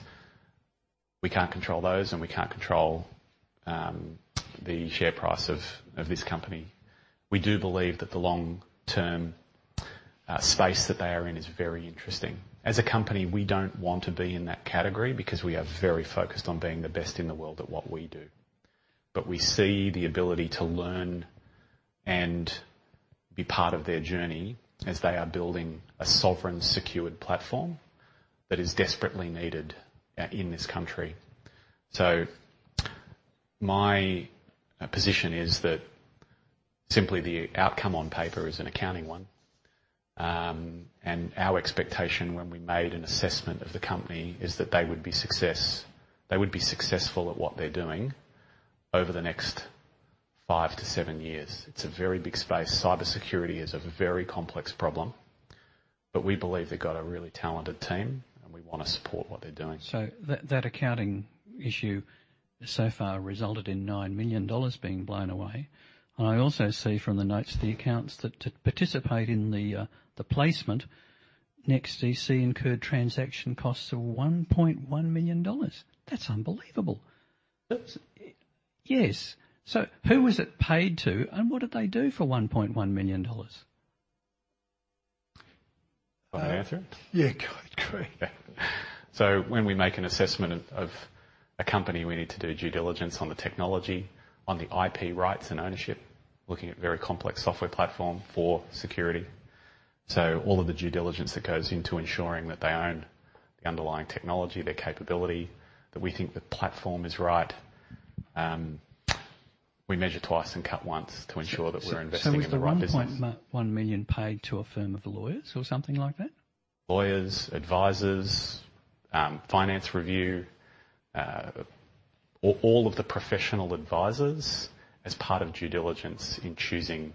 we can't control those and we can't control the share price of this company. We do believe that the long-term space that they are in is very interesting. As a company, we don't want to be in that category because we are very focused on being the best in the world at what we do. We see the ability to learn and be part of their journey as they are building a sovereign secured platform that is desperately needed in this country. My position is that simply the outcome on paper is an accounting one. Our expectation when we made an assessment of the company is that they would be successful at what they're doing over the next 5-7 years. It's a very big space. Cybersecurity is a very complex problem, but we believe they've got a really talented team, and we wanna support what they're doing. That accounting issue so far resulted in 9 million dollars being blown away. I also see from the notes of the accounts that to participate in the placement, NEXTDC incurred transaction costs of 1.1 million dollars. That's unbelievable. Yes. Who was it paid to, and what did they do for 1.1 million dollars? Want to answer it? Yeah, go Craig. When we make an assessment of a company, we need to do due diligence on the technology, on the I.P. rights and ownership, looking at very complex software platform for security. All of the due diligence that goes into ensuring that they own the underlying technology, their capability, that we think the platform is right. We measure twice and cut once to ensure that we're investing in the right business. Is the 1 million paid to a firm of lawyers or something like that? Lawyers, advisors, finance review, all of the professional advisors as part of due diligence in choosing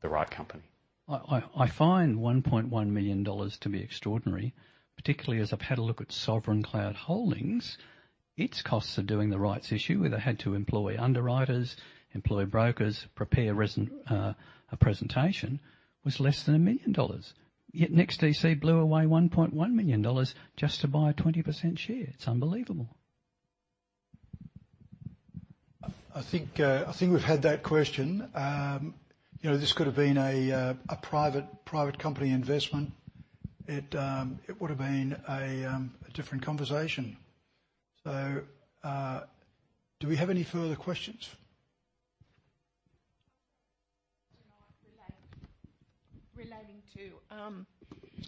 the right company. I find 1.1 million dollars to be extraordinary, particularly as I've had a look at Sovereign Cloud Holdings. Its costs of doing the rights issue, where they had to employ underwriters, employ brokers, prepare a presentation, was less than 1 million dollars. Yet NEXTDC blew away 1.1 million dollars just to buy a 20% share. It's unbelievable. I think we've had that question. You know, this could have been a private company investment. It would've been a different conversation. Do we have any further questions? Relating to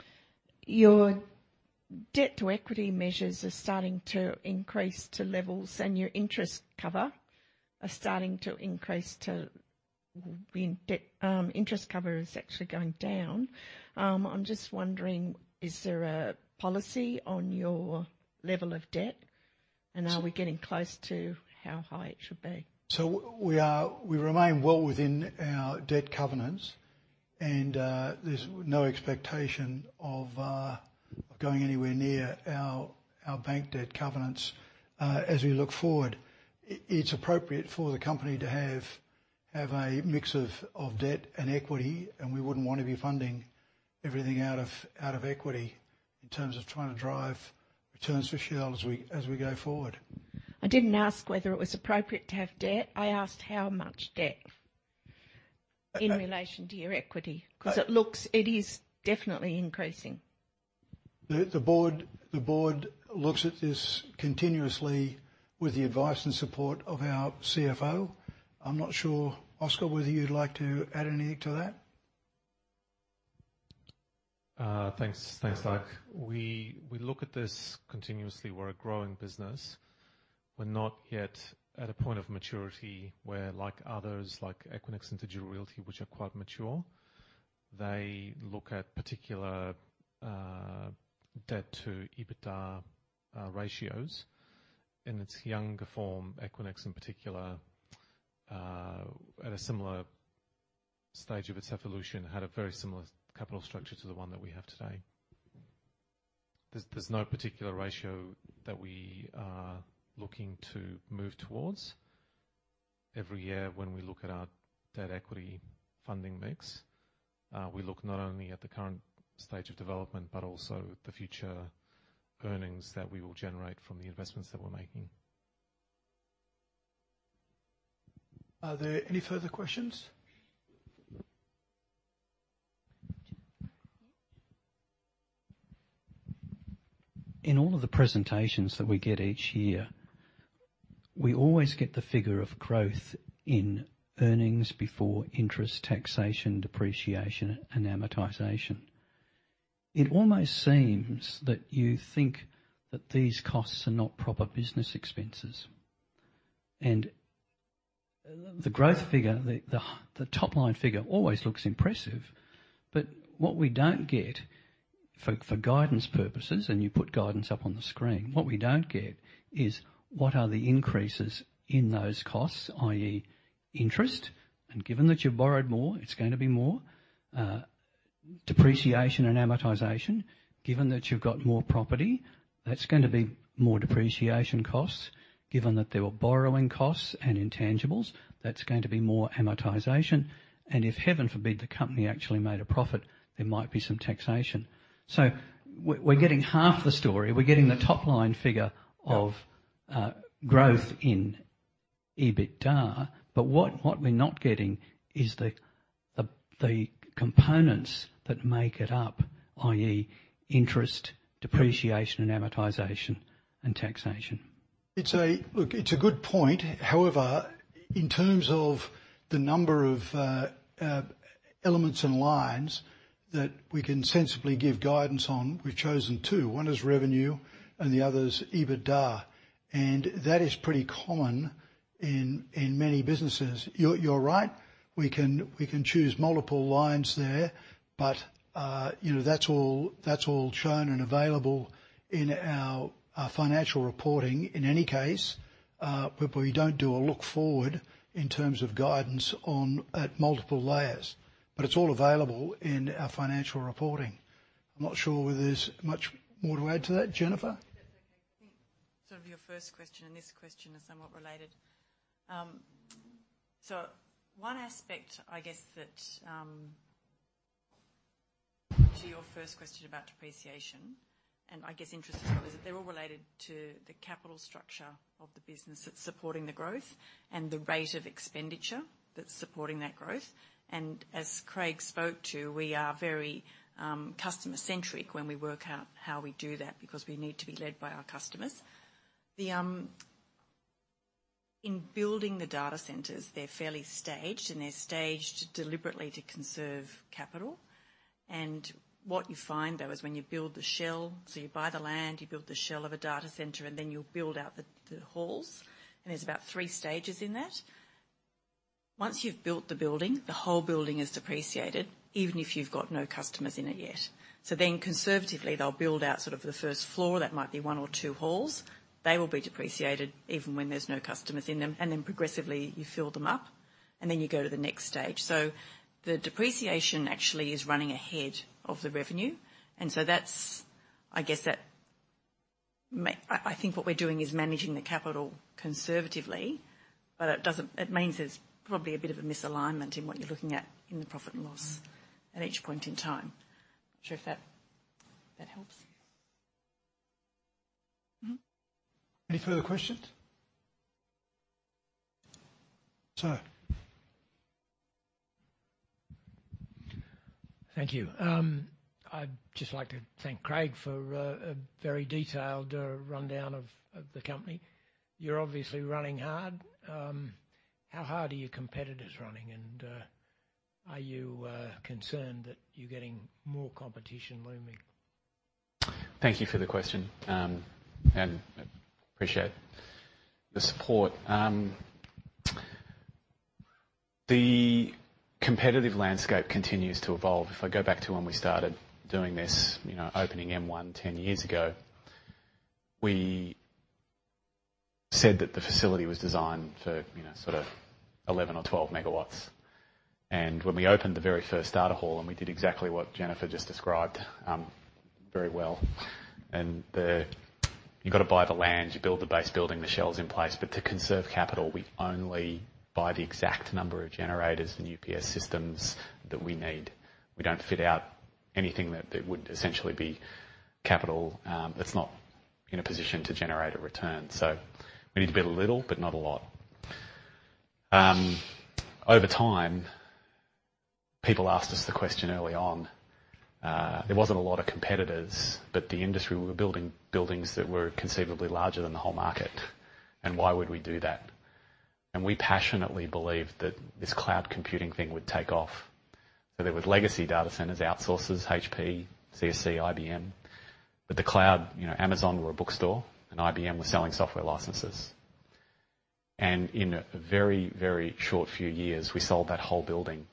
your debt-to-equity measures are starting to increase to levels, and your interest cover are starting to increase to being debt. Interest cover is actually going down. I'm just wondering, is there a policy on your level of debt? Are we getting close to how high it should be? We remain well within our debt covenants, and there's no expectation of going anywhere near our bank debt covenants. As we look forward, it's appropriate for the company to have a mix of debt and equity, and we wouldn't want to be funding everything out of equity in terms of trying to drive returns for shareholders as we go forward. I didn't ask whether it was appropriate to have debt. I asked how much debt. Okay. In relation to your equity. Okay. It is definitely increasing. The Board looks at this continuously with the advice and support of our CFO. I'm not sure, Oskar, whether you'd like to add any to that. Thanks, Doug. We look at this continuously. We're a growing business. We're not yet at a point of maturity where like others, like Equinix and Digital Realty, which are quite mature, they look at particular debt-to-EBITDA ratios. In its younger form, Equinix in particular, at a similar stage of its evolution, had a very similar capital structure to the one that we have today. There's no particular ratio that we are looking to move towards. Every year when we look at our debt-equity funding mix, we look not only at the current stage of development, but also the future earnings that we will generate from the investments that we're making. Are there any further questions? In all of the presentations that we get each year, we always get the figure of growth in earnings before interest, taxation, depreciation, and amortization. It almost seems that you think that these costs are not proper business expenses. The growth figure, the top-line figure always looks impressive. What we don't get for guidance purposes, and you put guidance up on the screen, what we don't get is what are the increases in those costs, i.e. interest, and given that you've borrowed more, it's gonna be more. Depreciation and amortization, given that you've got more property, that's gonna be more depreciation costs, given that there were borrowing costs and intangibles, that's going to be more amortization. If, heaven forbid, the company actually made a profit, there might be some taxation. We're getting half the story. We're getting the top-line figure of growth in EBITDA. What we're not getting is the components that make it up, i.e., interest, depreciation, and amortization, and taxation. Look, it's a good point. However, in terms of the number of elements and lines that we can sensibly give guidance on, we've chosen two. One is revenue and the other is EBITDA, and that is pretty common in many businesses. You're right, we can choose multiple lines there, but, you know, that's all shown and available in our financial reporting in any case. We don't do a look forward in terms of guidance at multiple layers. It's all available in our financial reporting. I'm not sure whether there's much more to add to that. Jennifer? That's okay. Your first question and this question are somewhat related. One aspect, I guess that, to your first question about depreciation, and I guess interest as well, is they're all related to the capital structure of the business that's supporting the growth and the rate of expenditure that's supporting that growth. As Craig spoke to, we are very customer-centric when we work out how we do that because we need to be led by our customers. In building the data centers, they're fairly staged, and they're staged deliberately to conserve capital. What you find, though, is when you build the shell, so you buy the land, you build the shell of a data center, and then you'll build out the halls. There's about three stages in that. Once you've built the building, the whole building is depreciated, even if you've got no customers in it yet. Conservatively, they'll build out sort of the first floor. That might be one or two halls. They will be depreciated even when there's no customers in them. Progressively, you fill them up, and then you go to the next stage. The depreciation actually is running ahead of the revenue. I guess I think what we're doing is managing the capital conservatively. It means there's probably a bit of a misalignment in what you're looking at in the profit and loss at each point in time. Not sure if that helps. Any further questions? Sir. Thank you. I'd just like to thank Craig for a very detailed rundown of the company. You're obviously running hard. How hard are your competitors running? Are you concerned that you're getting more competition looming? Thank you for the question. Um, and appreciate the support. Um, the competitive landscape continues to evolve. If I go back to when we started doing this, you know, opening M1 10 years ago, we said that the facility was designed for, you know, sort of 11 MW or 12 MW. And when we opened the very first data hall, and we did exactly what Jennifer just described, um, very well. And the... You've got to buy the land, you build the base building, the shell's in place. But to conserve capital, we only buy the exact number of generators and UPS systems that we need. We don't fit out anything that would essentially be capital, um, that's not in a position to generate a return. So we need to build a little, but not a lot. Over time, people asked us the question early on. There wasn't a lot of competitors, but the industry, we were building buildings that were conceivably larger than the whole market, and why would we do that? We passionately believed that this cloud computing thing would take off. There was legacy data centers, outsourcers, HP, CSC, IBM. The cloud, you know, Amazon were a bookstore, and IBM was selling software licenses. In a very short few years, we sold that whole building.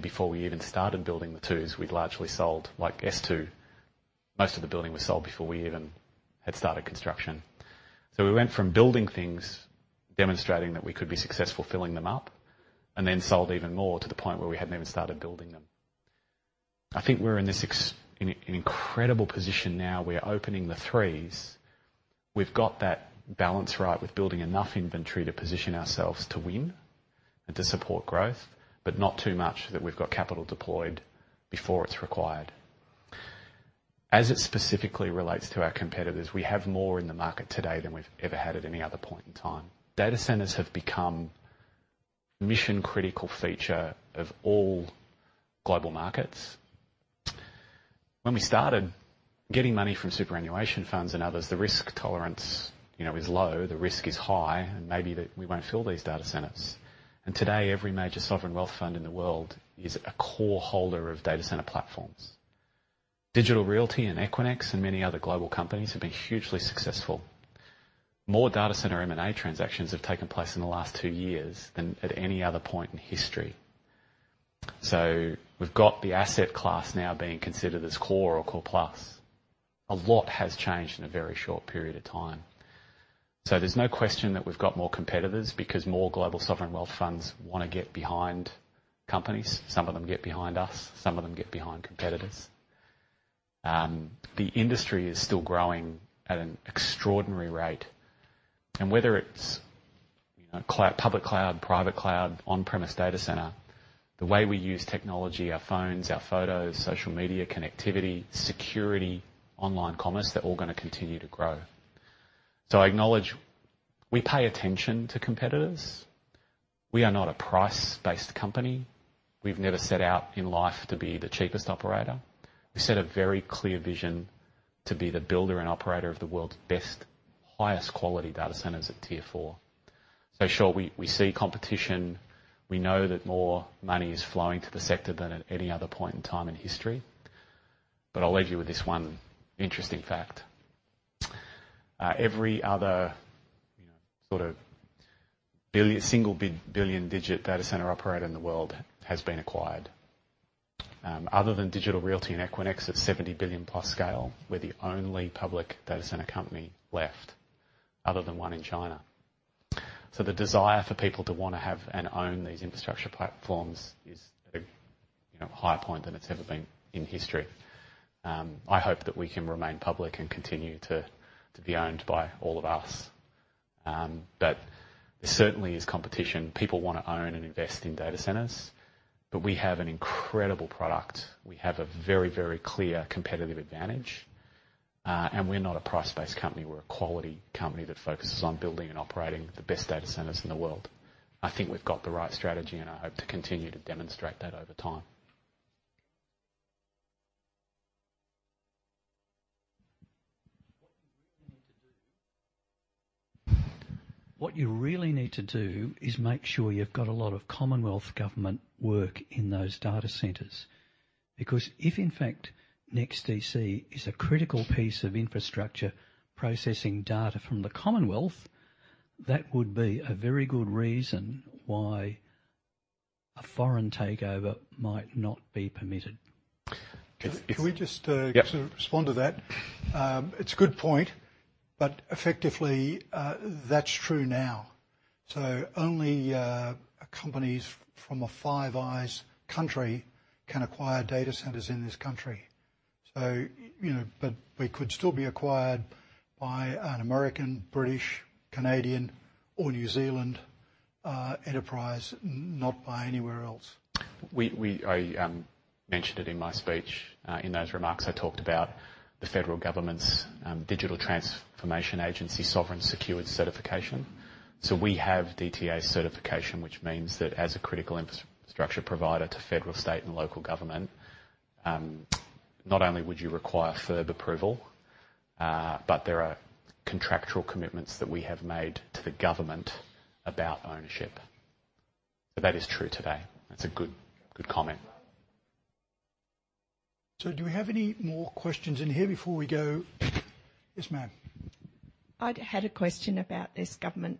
Before we even started building the twos, we'd largely sold. Like S2, most of the building was sold before we even had started construction. We went from building things, demonstrating that we could be successful filling them up, and then sold even more to the point where we hadn't even started building them. I think we're in this incredible position now. We're opening the threes. We've got that balance right with building enough inventory to position ourselves to win and to support growth, but not too much that we've got capital deployed before it's required. As it specifically relates to our competitors, we have more in the market today than we've ever had at any other point in time. Data centers have become mission-critical feature of all global markets. When we started getting money from superannuation funds and others, the risk tolerance, you know, is low, the risk is high, and maybe that we won't fill these data centers. Today, every major sovereign wealth fund in the world is a core holder of data center platforms. Digital Realty and Equinix and many other global companies have been hugely successful. More data center M&A transactions have taken place in the last two years than at any other point in history. We've got the asset class now being considered as core or core plus. A lot has changed in a very short period of time. There's no question that we've got more competitors because more global sovereign wealth funds wanna get behind companies. Some of them get behind us, some of them get behind competitors. The industry is still growing at an extraordinary rate. Whether it's public cloud, private cloud, on-premise data center, the way we use technology, our phones, our photos, social media, connectivity, security, online commerce, they're all gonna continue to grow. I acknowledge we pay attention to competitors. We are not a price-based company. We've never set out in life to be the cheapest operator. We set a very clear vision to be the builder and operator of the world's best highest quality data centers at Tier IV. Sure, we see competition. We know that more money is flowing to the sector than at any other point in time in history. I'll leave you with this one interesting fact. Every other, you know, sort of single billion digit data center operator in the world has been acquired. Other than Digital Realty and Equinix at 70 billion+ scale, we're the only public data center company left other than one in China. The desire for people to wanna have and own these infrastructure platforms is at a, you know, higher point than it's ever been in history. I hope that we can remain public and continue to be owned by all of us. There certainly is competition. People wanna own and invest in data centers, but we have an incredible product. We have a very, very clear competitive advantage. We're not a price-based company. We're a quality company that focuses on building and operating the best data centers in the world. I think we've got the right strategy, and I hope to continue to demonstrate that over time. What you really need to do is make sure you've got a lot of Commonwealth government work in those data centers, because if in fact NEXTDC is a critical piece of infrastructure processing data from the Commonwealth, that would be a very good reason why a foreign takeover might not be permitted. If- Can we just, uh- Yep. Just respond to that? It's a good point, but effectively that's true now. Only companies from a Five Eyes country can acquire data centers in this country. You know, we could still be acquired by an American, British, Canadian, or New Zealand enterprise, not by anywhere else. I mentioned it in my speech. In those remarks, I talked about the federal government's Digital Transformation Agency Sovereign Secured Certification. We have DTA certification, which means that as a critical infrastructure provider to federal, state, and local government, not only would you require further approval, but there are contractual commitments that we have made to the government about ownership. That is true today. That's a good comment. Do we have any more questions in here before we go? Yes, ma'am. I'd had a question about this government,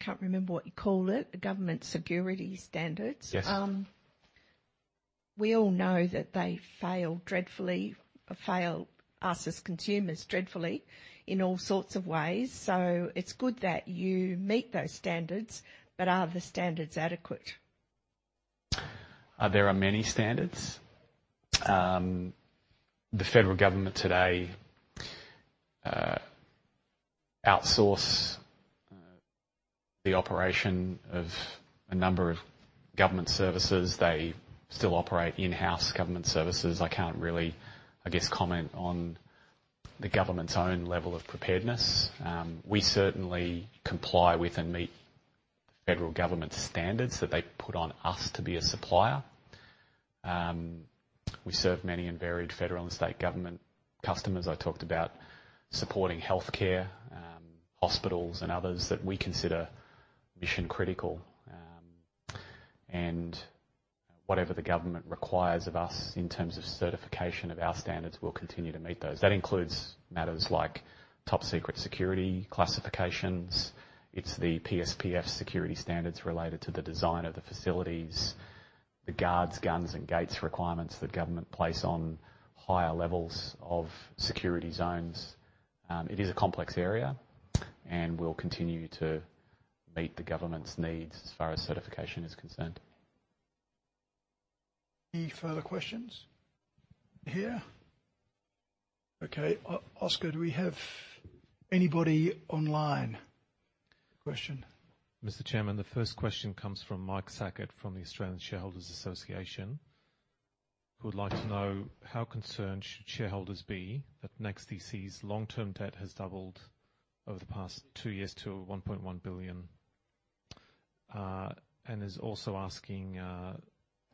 can't remember what you call it, the government security standards. Yes. We all know that they fail us as consumers dreadfully in all sorts of ways. It's good that you meet those standards, but are the standards adequate? There are many standards. The federal government today outsource the operation of a number of government services. They still operate in-house government services. I can't really, I guess, comment on the government's own level of preparedness. We certainly comply with and meet federal government standards that they put on us to be a supplier. We serve many and varied federal and state government customers. I talked about supporting healthcare, hospitals and others that we consider mission-critical. Whatever the government requires of us in terms of certification of our standards, we'll continue to meet those. That includes matters like Top Secret security classifications. It's the PSPF security standards related to the design of the facilities, the guards, guns, and gates requirements that government place on higher levels of security zones. It is a complex area, and we'll continue to meet the government's needs as far as certification is concerned. Any further questions here? Okay. Oskar, do we have anybody online? Question? Mr. Chairman, the first question comes from Mike Sackett from the Australian Shareholders' Association, who would like to know how concerned should shareholders be that NEXTDC's long-term debt has doubled over the past two years to 1.1 billion, and is also asking,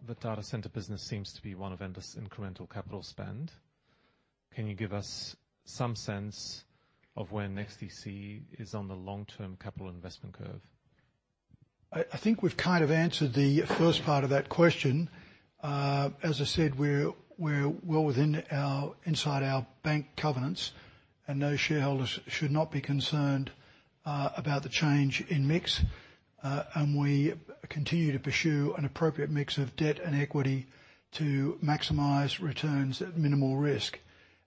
the data center business seems to be one of endless incremental capital spend. Can you give us some sense of when NEXTDC is on the long-term capital investment curve? I think we've kind of answered the first part of that question. As I said, we're well inside our bank covenants, and those shareholders should not be concerned about the change in mix. We continue to pursue an appropriate mix of debt and equity to maximize returns at minimal risk.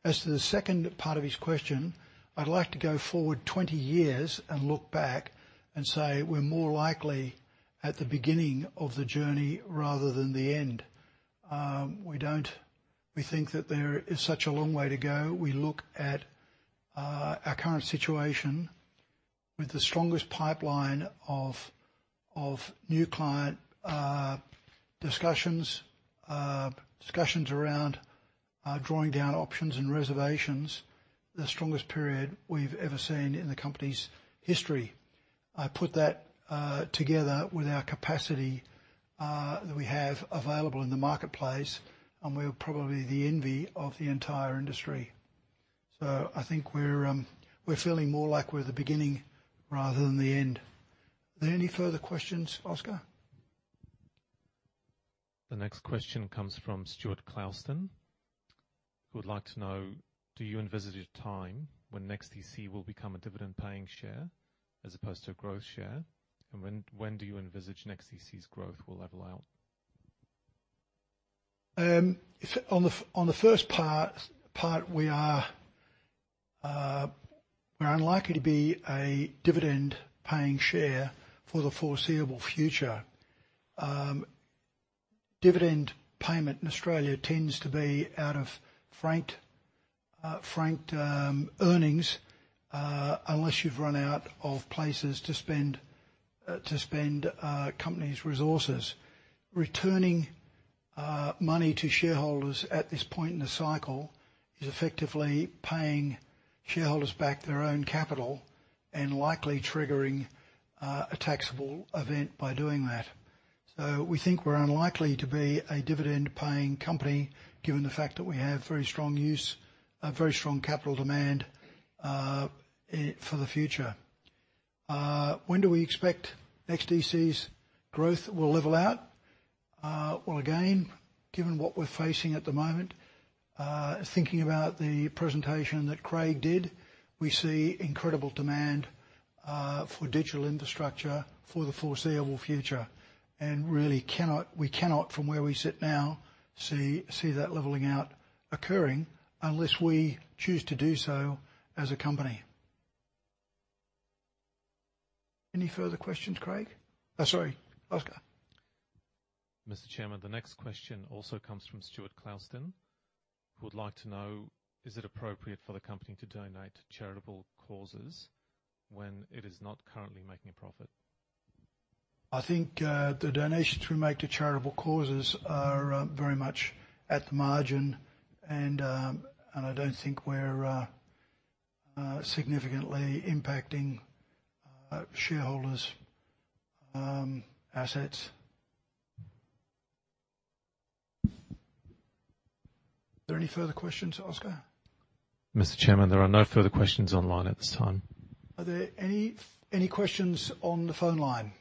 As to the second part of his question, I'd like to go forward 20 years and look back and say we're more likely at the beginning of the journey rather than the end. We think that there is such a long way to go. We look at our current situation with the strongest pipeline of new client discussions around drawing down options and reservations. The strongest period we've ever seen in the company's history. I put that together with our capacity that we have available in the marketplace, and we're probably the envy of the entire industry. I think we're feeling more like we're the beginning rather than the end. Are there any further questions, Oskar? The next question comes from Stuart Clouston, who would like to know, do you envisage a time when NEXTDC will become a dividend-paying share as opposed to a growth share? When do you envisage NEXTDC's growth will level out? On the first part, we're unlikely to be a dividend-paying share for the foreseeable future. Dividend payment in Australia tends to be out of franked earnings unless you've run out of places to spend company's resources. Returning money to shareholders at this point in the cycle is effectively paying shareholders back their own capital and likely triggering a taxable event by doing that. We think we're unlikely to be a dividend-paying company, given the fact that we have a very strong capital demand for the future. When do we expect NEXTDC's growth will level out? Well, again, given what we're facing at the moment, thinking about the presentation that Craig did, we see incredible demand for digital infrastructure for the foreseeable future, and really we cannot from where we sit now, see that leveling out occurring unless we choose to do so as a company. Any further questions, Craig? Sorry, Oskar. Mr. Chairman, the next question also comes from Stuart Clouston, who would like to know, is it appropriate for the company to donate to charitable causes when it is not currently making a profit? I think the donations we make to charitable causes are very much at the margin, and I don't think we're significantly impacting shareholders' assets. Are there any further questions, Oskar? Mr. Chairman, there are no further questions online at this time. Are there any questions on the phone line?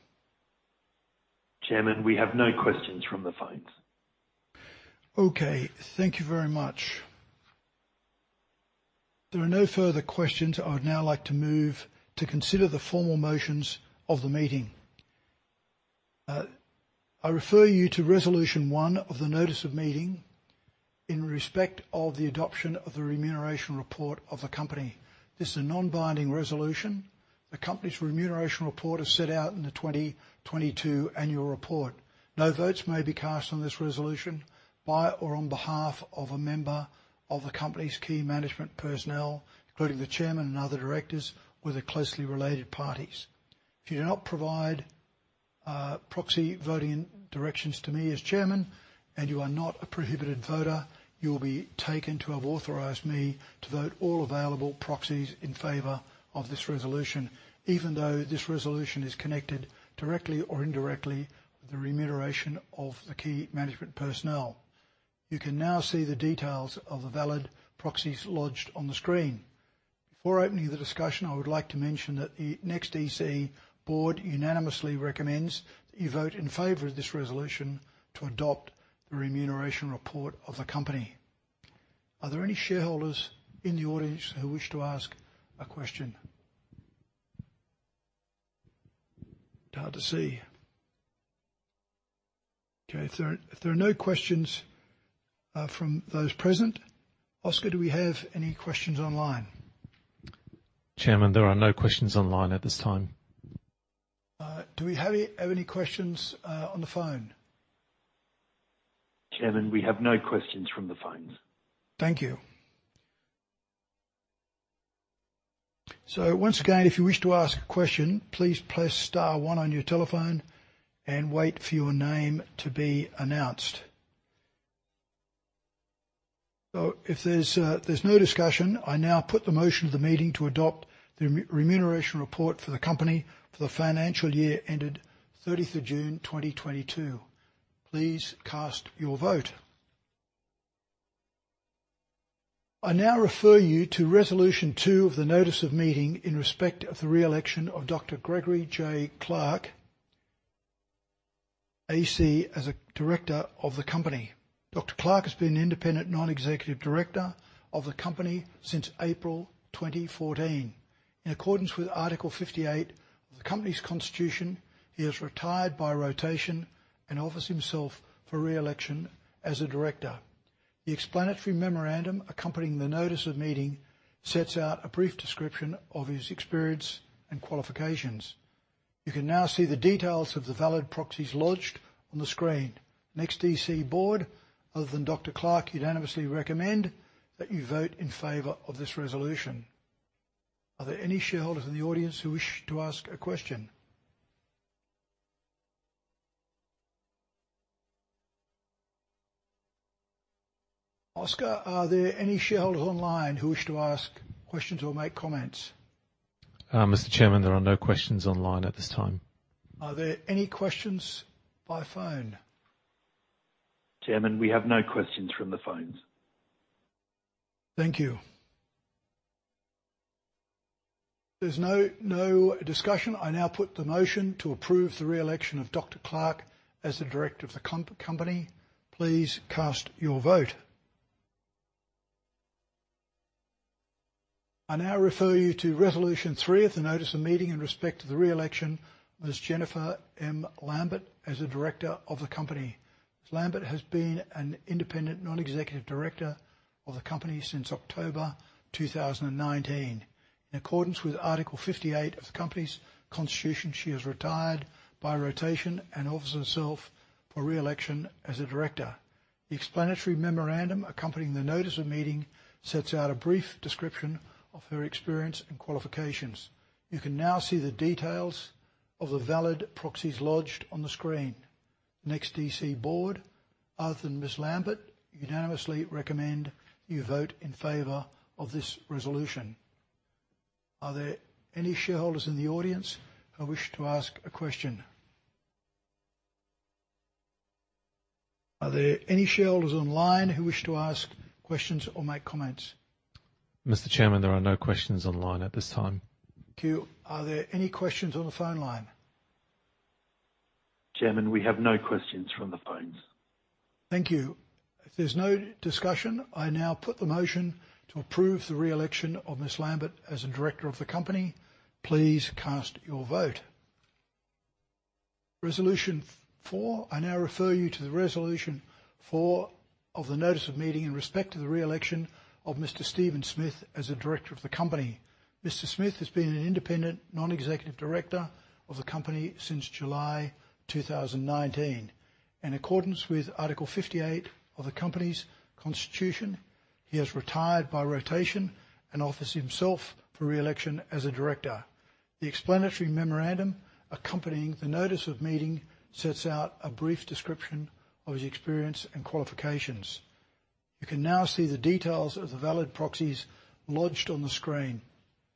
Chairman, we have no questions from the phones. Okay. Thank you very much. If there are no further questions, I would now like to move to consider the formal motions of the meeting. I refer you to Resolution One of the Notice of Meeting in respect of the adoption of the Remuneration Report of the company. This is a non-binding resolution. The company's Remuneration Report is set out in the 2022 Annual Report. No votes may be cast on this resolution by or on behalf of a member of the company's key management personnel, including the Chairman and other directors, or their closely related parties. If you do not provide proxy voting directions to me as Chairman, and you are not a prohibited voter, you will be taken to have authorized me to vote all available proxies in favor of this resolution, even though this resolution is connected directly or indirectly with the remuneration of the Key Management Personnel. You can now see the details of the valid proxies lodged on the screen. Before opening the discussion, I would like to mention that the NEXTDC Board unanimously recommends that you vote in favor of this resolution to adopt the Remuneration Report of the Company. Are there any shareholders in the audience who wish to ask a question? It's hard to see. Okay. If there are no questions from those present, Oskar, do we have any questions online? Chairman, there are no questions online at this time. Do we have any questions on the phone? Chairman, we have no questions from the phones. Thank you. Once again, if you wish to ask a question, please press star one on your telephone and wait for your name to be announced. If there's no discussion, I now put the motion of the meeting to adopt the remuneration report for the company for the financial year ended 30th of June 2022. Please cast your vote. I now refer you to Resolution Two of the notice of meeting in respect of the re-election of Dr. Gregory J. Clark, AC as a director of the company. Dr. Clark has been an independent non-executive director of the company since April 2014. In accordance with Article 58 of the company's constitution, he has retired by rotation and offers himself for re-election as a director. The explanatory memorandum accompanying the notice of meeting sets out a brief description of his experience and qualifications. You can now see the details of the valid proxies lodged on the screen. NEXTDC Board, other than Dr. Clark, unanimously recommend that you vote in favor of this resolution. Are there any shareholders in the audience who wish to ask a question? Oskar, are there any shareholders online who wish to ask questions or make comments? Mr. Chairman, there are no questions online at this time. Are there any questions by phone? Chairman, we have no questions from the phones. Thank you. If there's no discussion, I now put the motion to approve the re-election of Dr. Clark as the director of the company. Please cast your vote. I now refer you to Resolution Three of the notice of meeting in respect to the re-election of Ms. Jennifer M. Lambert as a director of the company. Ms. Lambert has been an independent non-executive director of the company since October 2019. In accordance with Article 58 of the company's constitution, she has retired by rotation and offers herself for re-election as a director. The explanatory memorandum accompanying the notice of meeting sets out a brief description of her experience and qualifications. You can now see the details of the valid proxies lodged on the screen. NEXTDC board, other than Ms. Lambert, unanimously recommend you vote in favor of this resolution. Are there any shareholders in the audience who wish to ask a question? Are there any shareholders online who wish to ask questions or make comments? Mr. Chairman, there are no questions online at this time. Thank you. Are there any questions on the phone line? Chairman, we have no questions from the phones. Thank you. If there's no discussion, I now put the motion to approve the re-election of Ms. Lambert as a Director of the company. Please cast your vote. Resolution Four. I now refer you to the Resolution 4 of the Notice of Meeting in respect to the re-election of Mr. Stephen Smith as a Director of the company. Mr. Smith has been an Independent Non-Executive Director of the company since July 2019. In accordance with Article 58 of the company's Constitution, he has retired by rotation and offers himself for re-election as a Director. The Explanatory Memorandum accompanying the Notice of Meeting sets out a brief description of his experience and qualifications. You can now see the details of the valid proxies lodged on the screen.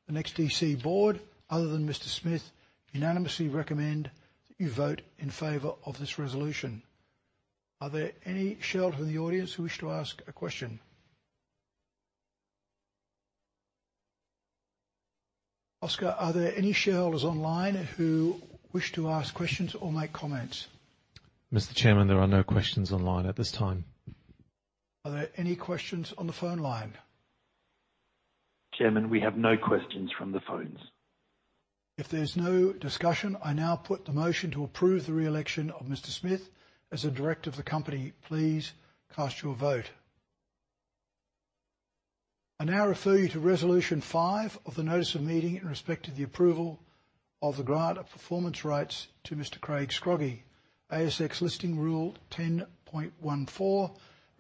The NEXTDC Board, other than Mr. Smith, unanimously recommend you vote in favor of this resolution. Are there any shareholder in the audience who wish to ask a question? Oskar, are there any shareholders online who wish to ask questions or make comments? Mr. Chairman, there are no questions online at this time. Are there any questions on the phone line? Chairman, we have no questions from the phones. If there's no discussion, I now put the motion to approve the re-election of Mr. Smith as a Director of the company. Please cast your vote. I now refer you to Resolution Five of the notice of meeting in respect to the approval of the grant of performance rights to Mr. Craig Scroggie. ASX Listing Rule 10.14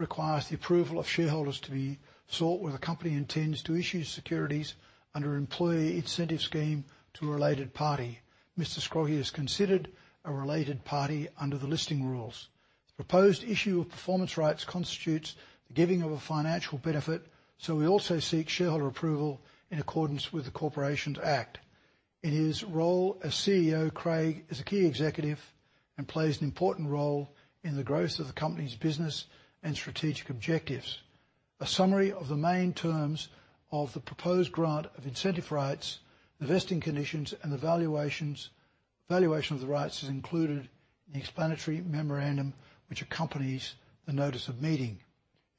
requires the approval of shareholders to be sought where the company intends to issue securities under employee incentive scheme to a related party. Mr. Scroggie is considered a related party under the listing rules. The proposed issue of performance rights constitutes the giving of a financial benefit, so we also seek shareholder approval in accordance with the Corporations Act. In his role as CEO, Craig is a key executive and plays an important role in the growth of the company's business and strategic objectives. A summary of the main terms of the proposed grant of incentive rights, the vesting conditions and the valuation of the rights is included in the explanatory memorandum which accompanies the notice of meeting.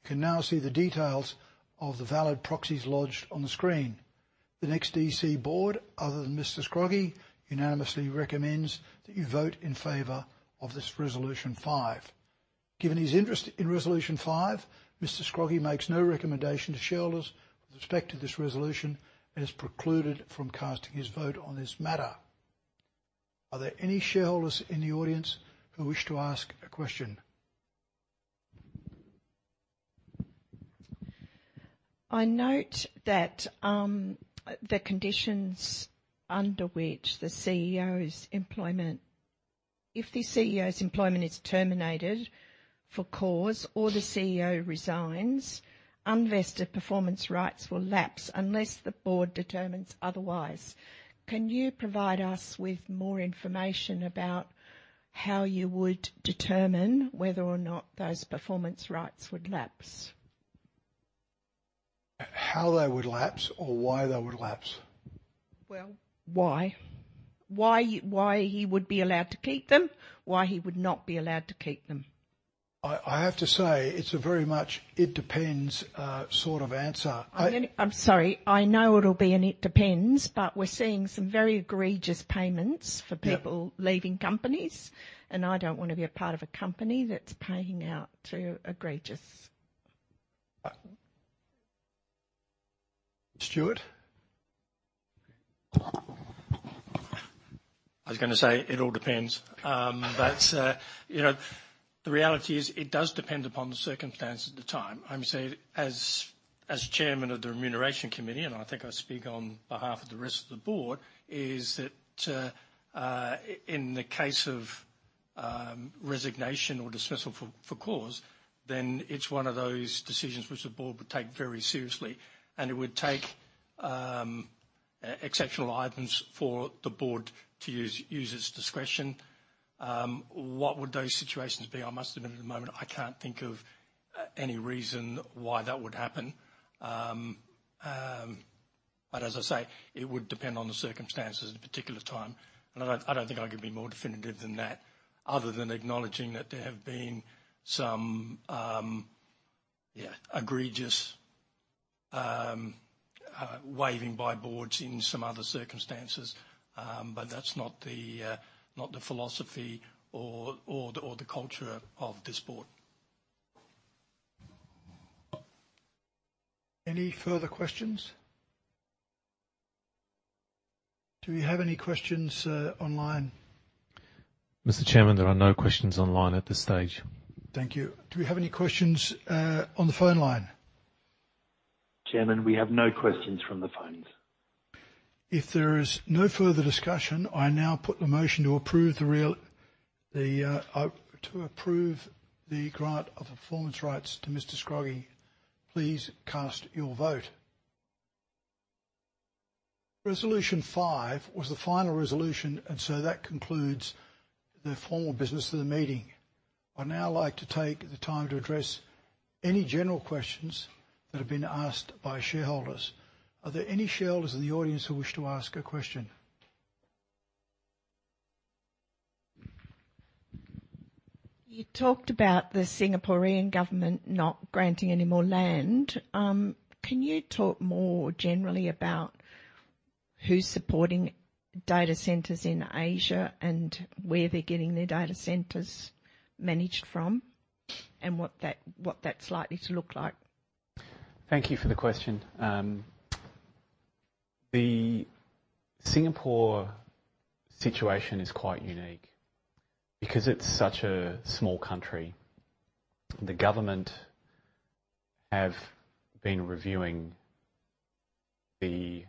You can now see the details of the valid proxies lodged on the screen. The NEXTDC board, other than Mr. Scroggie, unanimously recommends that you vote in favor of this resolution five. Given his interest in resolution five, Mr. Scroggie makes no recommendation to shareholders with respect to this resolution and is precluded from casting his vote on this matter. Are there any shareholders in the audience who wish to ask a question? I note that if the CEO's employment is terminated for cause or the CEO resigns, unvested performance rights will lapse unless the board determines otherwise. Can you provide us with more information about how you would determine whether or not those performance rights would lapse? How they would lapse or why they would lapse? Well, why? Why he would be allowed to keep them, why he would not be allowed to keep them. I have to say, it's a very much it depends sort of answer. I'm sorry. I know it'll be an it depends, but we're seeing some very egregious payments for.. Yeah. People leaving companies, and I don't wanna be a part of a company that's paying out too egregious. Stuart? I was gonna say it all depends. You know, the reality is it does depend upon the circumstance at the time. I would say as Chairman of the Remuneration Committee, and I think I speak on behalf of the rest of the Board, is that in the case of resignation or dismissal for cause, then it's one of those decisions which the Board would take very seriously, and it would take exceptional items for the Board to use its discretion. What would those situations be? I must admit, at the moment, I can't think of any reason why that would happen. As I say, it would depend on the circumstances at a particular time. I don't think I can be more definitive than that other than acknowledging that there have been some, yeah, egregious waiving by boards in some other circumstances. That's not the philosophy or the culture of this board. Any further questions? Do we have any questions online? Mr. Chairman, there are no questions online at this stage. Thank you. Do we have any questions on the phone line? Chairman, we have no questions from the phones. If there is no further discussion, I now put the motion to approve the grant of performance rights to Mr. Scroggie. Please cast your vote. Resolution Five was the final resolution. That concludes the formal business of the meeting. I'd now like to take the time to address any general questions that have been asked by shareholders. Are there any shareholders in the audience who wish to ask a question? You talked about the Singaporean government not granting any more land. Can you talk more generally about who's supporting data centers in Asia and where they're getting their data centers managed from and what that's likely to look like? Thank you for the question. The Singapore situation is quite unique. Because it's such a small country, the government have been reviewing the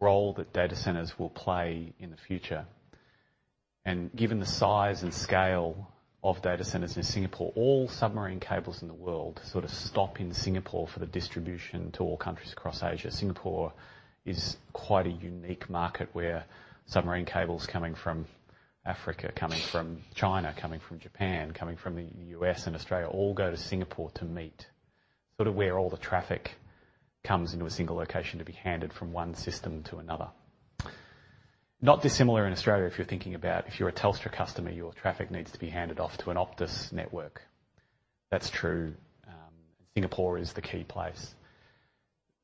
role that data centers will play in the future. Given the size and scale of data centers in Singapore, all submarine cables in the world sort of stop in Singapore for the distribution to all countries across Asia. Singapore is quite a unique market where submarine cables coming from Africa, coming from China, coming from Japan, coming from the U.S. and Australia all go to Singapore to meet. Sort of where all the traffic comes into a single location to be handed from one system to another. Not dissimilar in Australia, if you're thinking about if you're a Telstra customer, your traffic needs to be handed off to an Optus network. That's true. Singapore is the key place.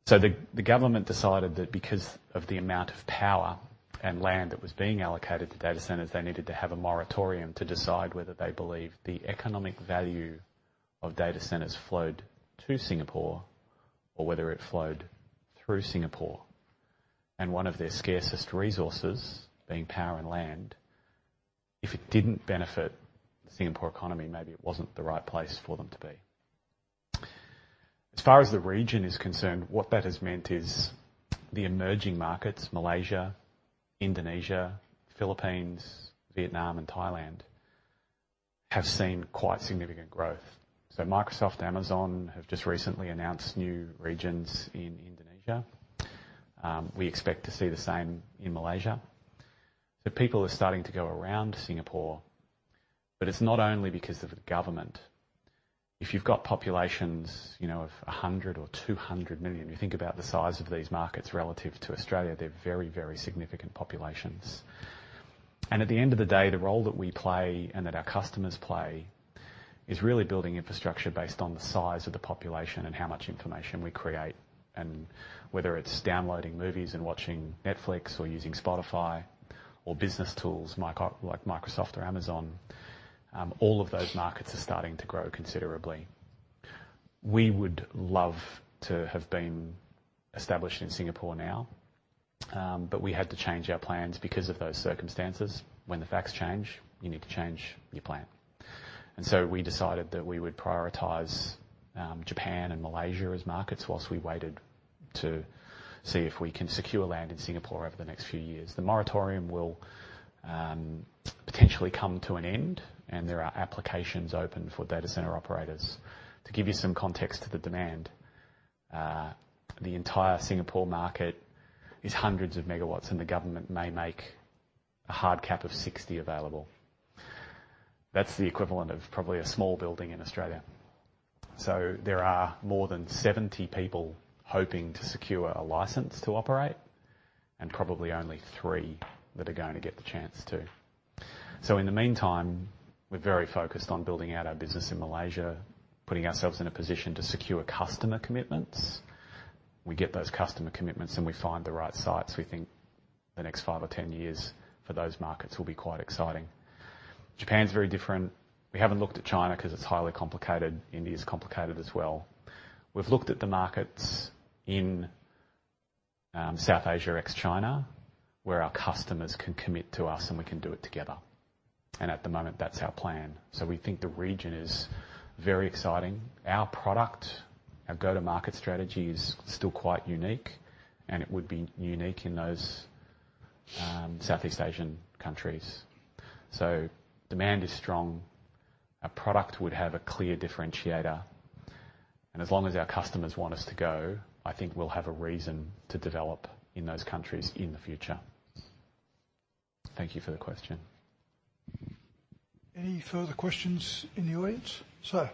The government decided that because of the amount of power and land that was being allocated to data centers, they needed to have a moratorium to decide whether they believe the economic value of data centers flowed to Singapore or whether it flowed through Singapore. One of their scarcest resources, being power and land, if it didn't benefit the Singapore economy, maybe it wasn't the right place for them to be. As far as the region is concerned, what that has meant is the emerging markets, Malaysia, Indonesia, Philippines, Vietnam and Thailand, have seen quite significant growth. Microsoft, Amazon have just recently announced new regions in Indonesia. We expect to see the same in Malaysia. People are starting to go around Singapore, but it's not only because of the government. If you've got populations, you know, of 100 or 200 million, you think about the size of these markets relative to Australia. They're very significant populations. At the end of the day, the role that we play and that our customers play is really building infrastructure based on the size of the population and how much information we create, and whether it's downloading movies and watching Netflix or using Spotify or business tools like Microsoft or Amazon, all of those markets are starting to grow considerably. We would love to have been established in Singapore now. We had to change our plans because of those circumstances. When the facts change, you need to change your plan. We decided that we would prioritize Japan and Malaysia as markets whilst we waited to see if we can secure land in Singapore over the next few years. The moratorium will potentially come to an end, and there are applications open for data center operators. To give you some context to the demand, the entire Singapore market is hundreds of megawatts, and the government may make a hard cap of 60 MW available. That's the equivalent of probably a small building in Australia. There are more than 70 people hoping to secure a license to operate, and probably only three that are going to get the chance to. In the meantime, we're very focused on building out our business in Malaysia, putting ourselves in a position to secure customer commitments. We get those customer commitments, and we find the right sites. We think the next five or 10 years for those markets will be quite exciting. Japan's very different. We haven't looked at China 'cause it's highly complicated. India is complicated as well. We've looked at the markets in South Asia, ex-China, where our customers can commit to us, and we can do it together. At the moment, that's our plan. We think the region is very exciting. Our product, our go-to-market strategy is still quite unique, and it would be unique in those Southeast Asian countries. Demand is strong. Our product would have a clear differentiator. As long as our customers want us to go, I think we'll have a reason to develop in those countries in the future. Thank you for the question. Any further questions in the audience? Sir.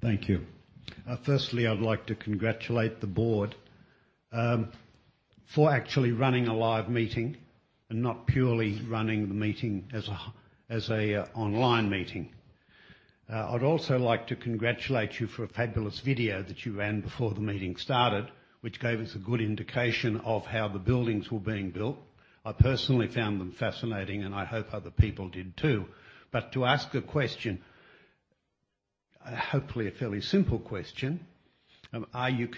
Thank you. Firstly, I'd like to congratulate the Board for actually running a live meeting and not purely running the meeting as a online meeting. I'd also like to congratulate you for a fabulous video that you ran before the meeting started, which gave us a good indication of how the buildings were being built. I personally found them fascinating, and I hope other people did too. To ask a question, hopefully a fairly simple question, are you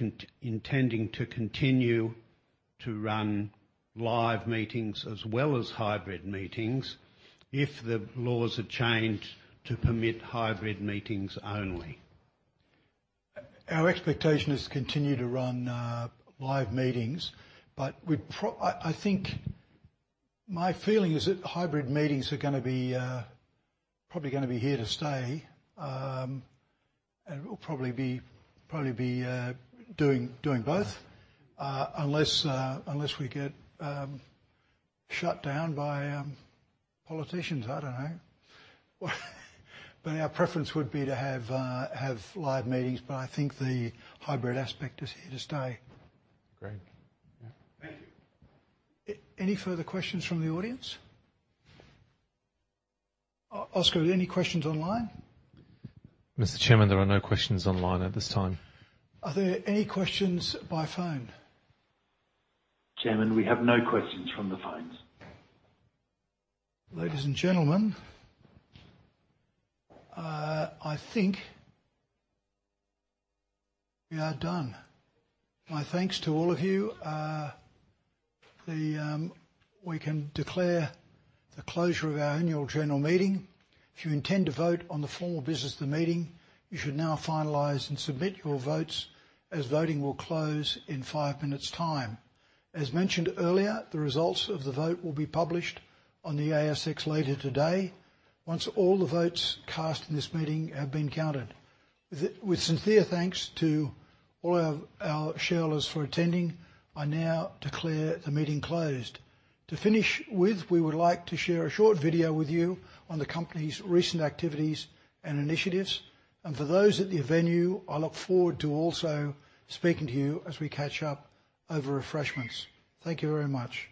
intending to continue to run live meetings as well as hybrid meetings if the laws are changed to permit hybrid meetings only? Our expectation is to continue to run live meetings. My feeling is that hybrid meetings are probably gonna be here to stay. We'll probably be doing both unless we get shut down by politicians. I don't know. Our preference would be to have live meetings, but I think the hybrid aspect is here to stay. Great. Yeah. Thank you. Any further questions from the audience? Oskar, any questions online? Mr. Chairman, there are no questions online at this time. Are there any questions by phone? Chairman, we have no questions from the phones. Ladies and gentlemen, I think we are done. My thanks to all of you. We can declare the closure of our annual general meeting. If you intend to vote on the formal business of the meeting, you should now finalize and submit your votes as voting will close in five minutes' time. As mentioned earlier, the results of the vote will be published on the ASX later today once all the votes cast in this meeting have been counted. With sincere thanks to all our shareholders for attending. I now declare the meeting closed. To finish with, we would like to share a short video with you on the company's recent activities and initiatives. For those at the venue, I look forward to also speaking to you as we catch up over refreshments. Thank you very much.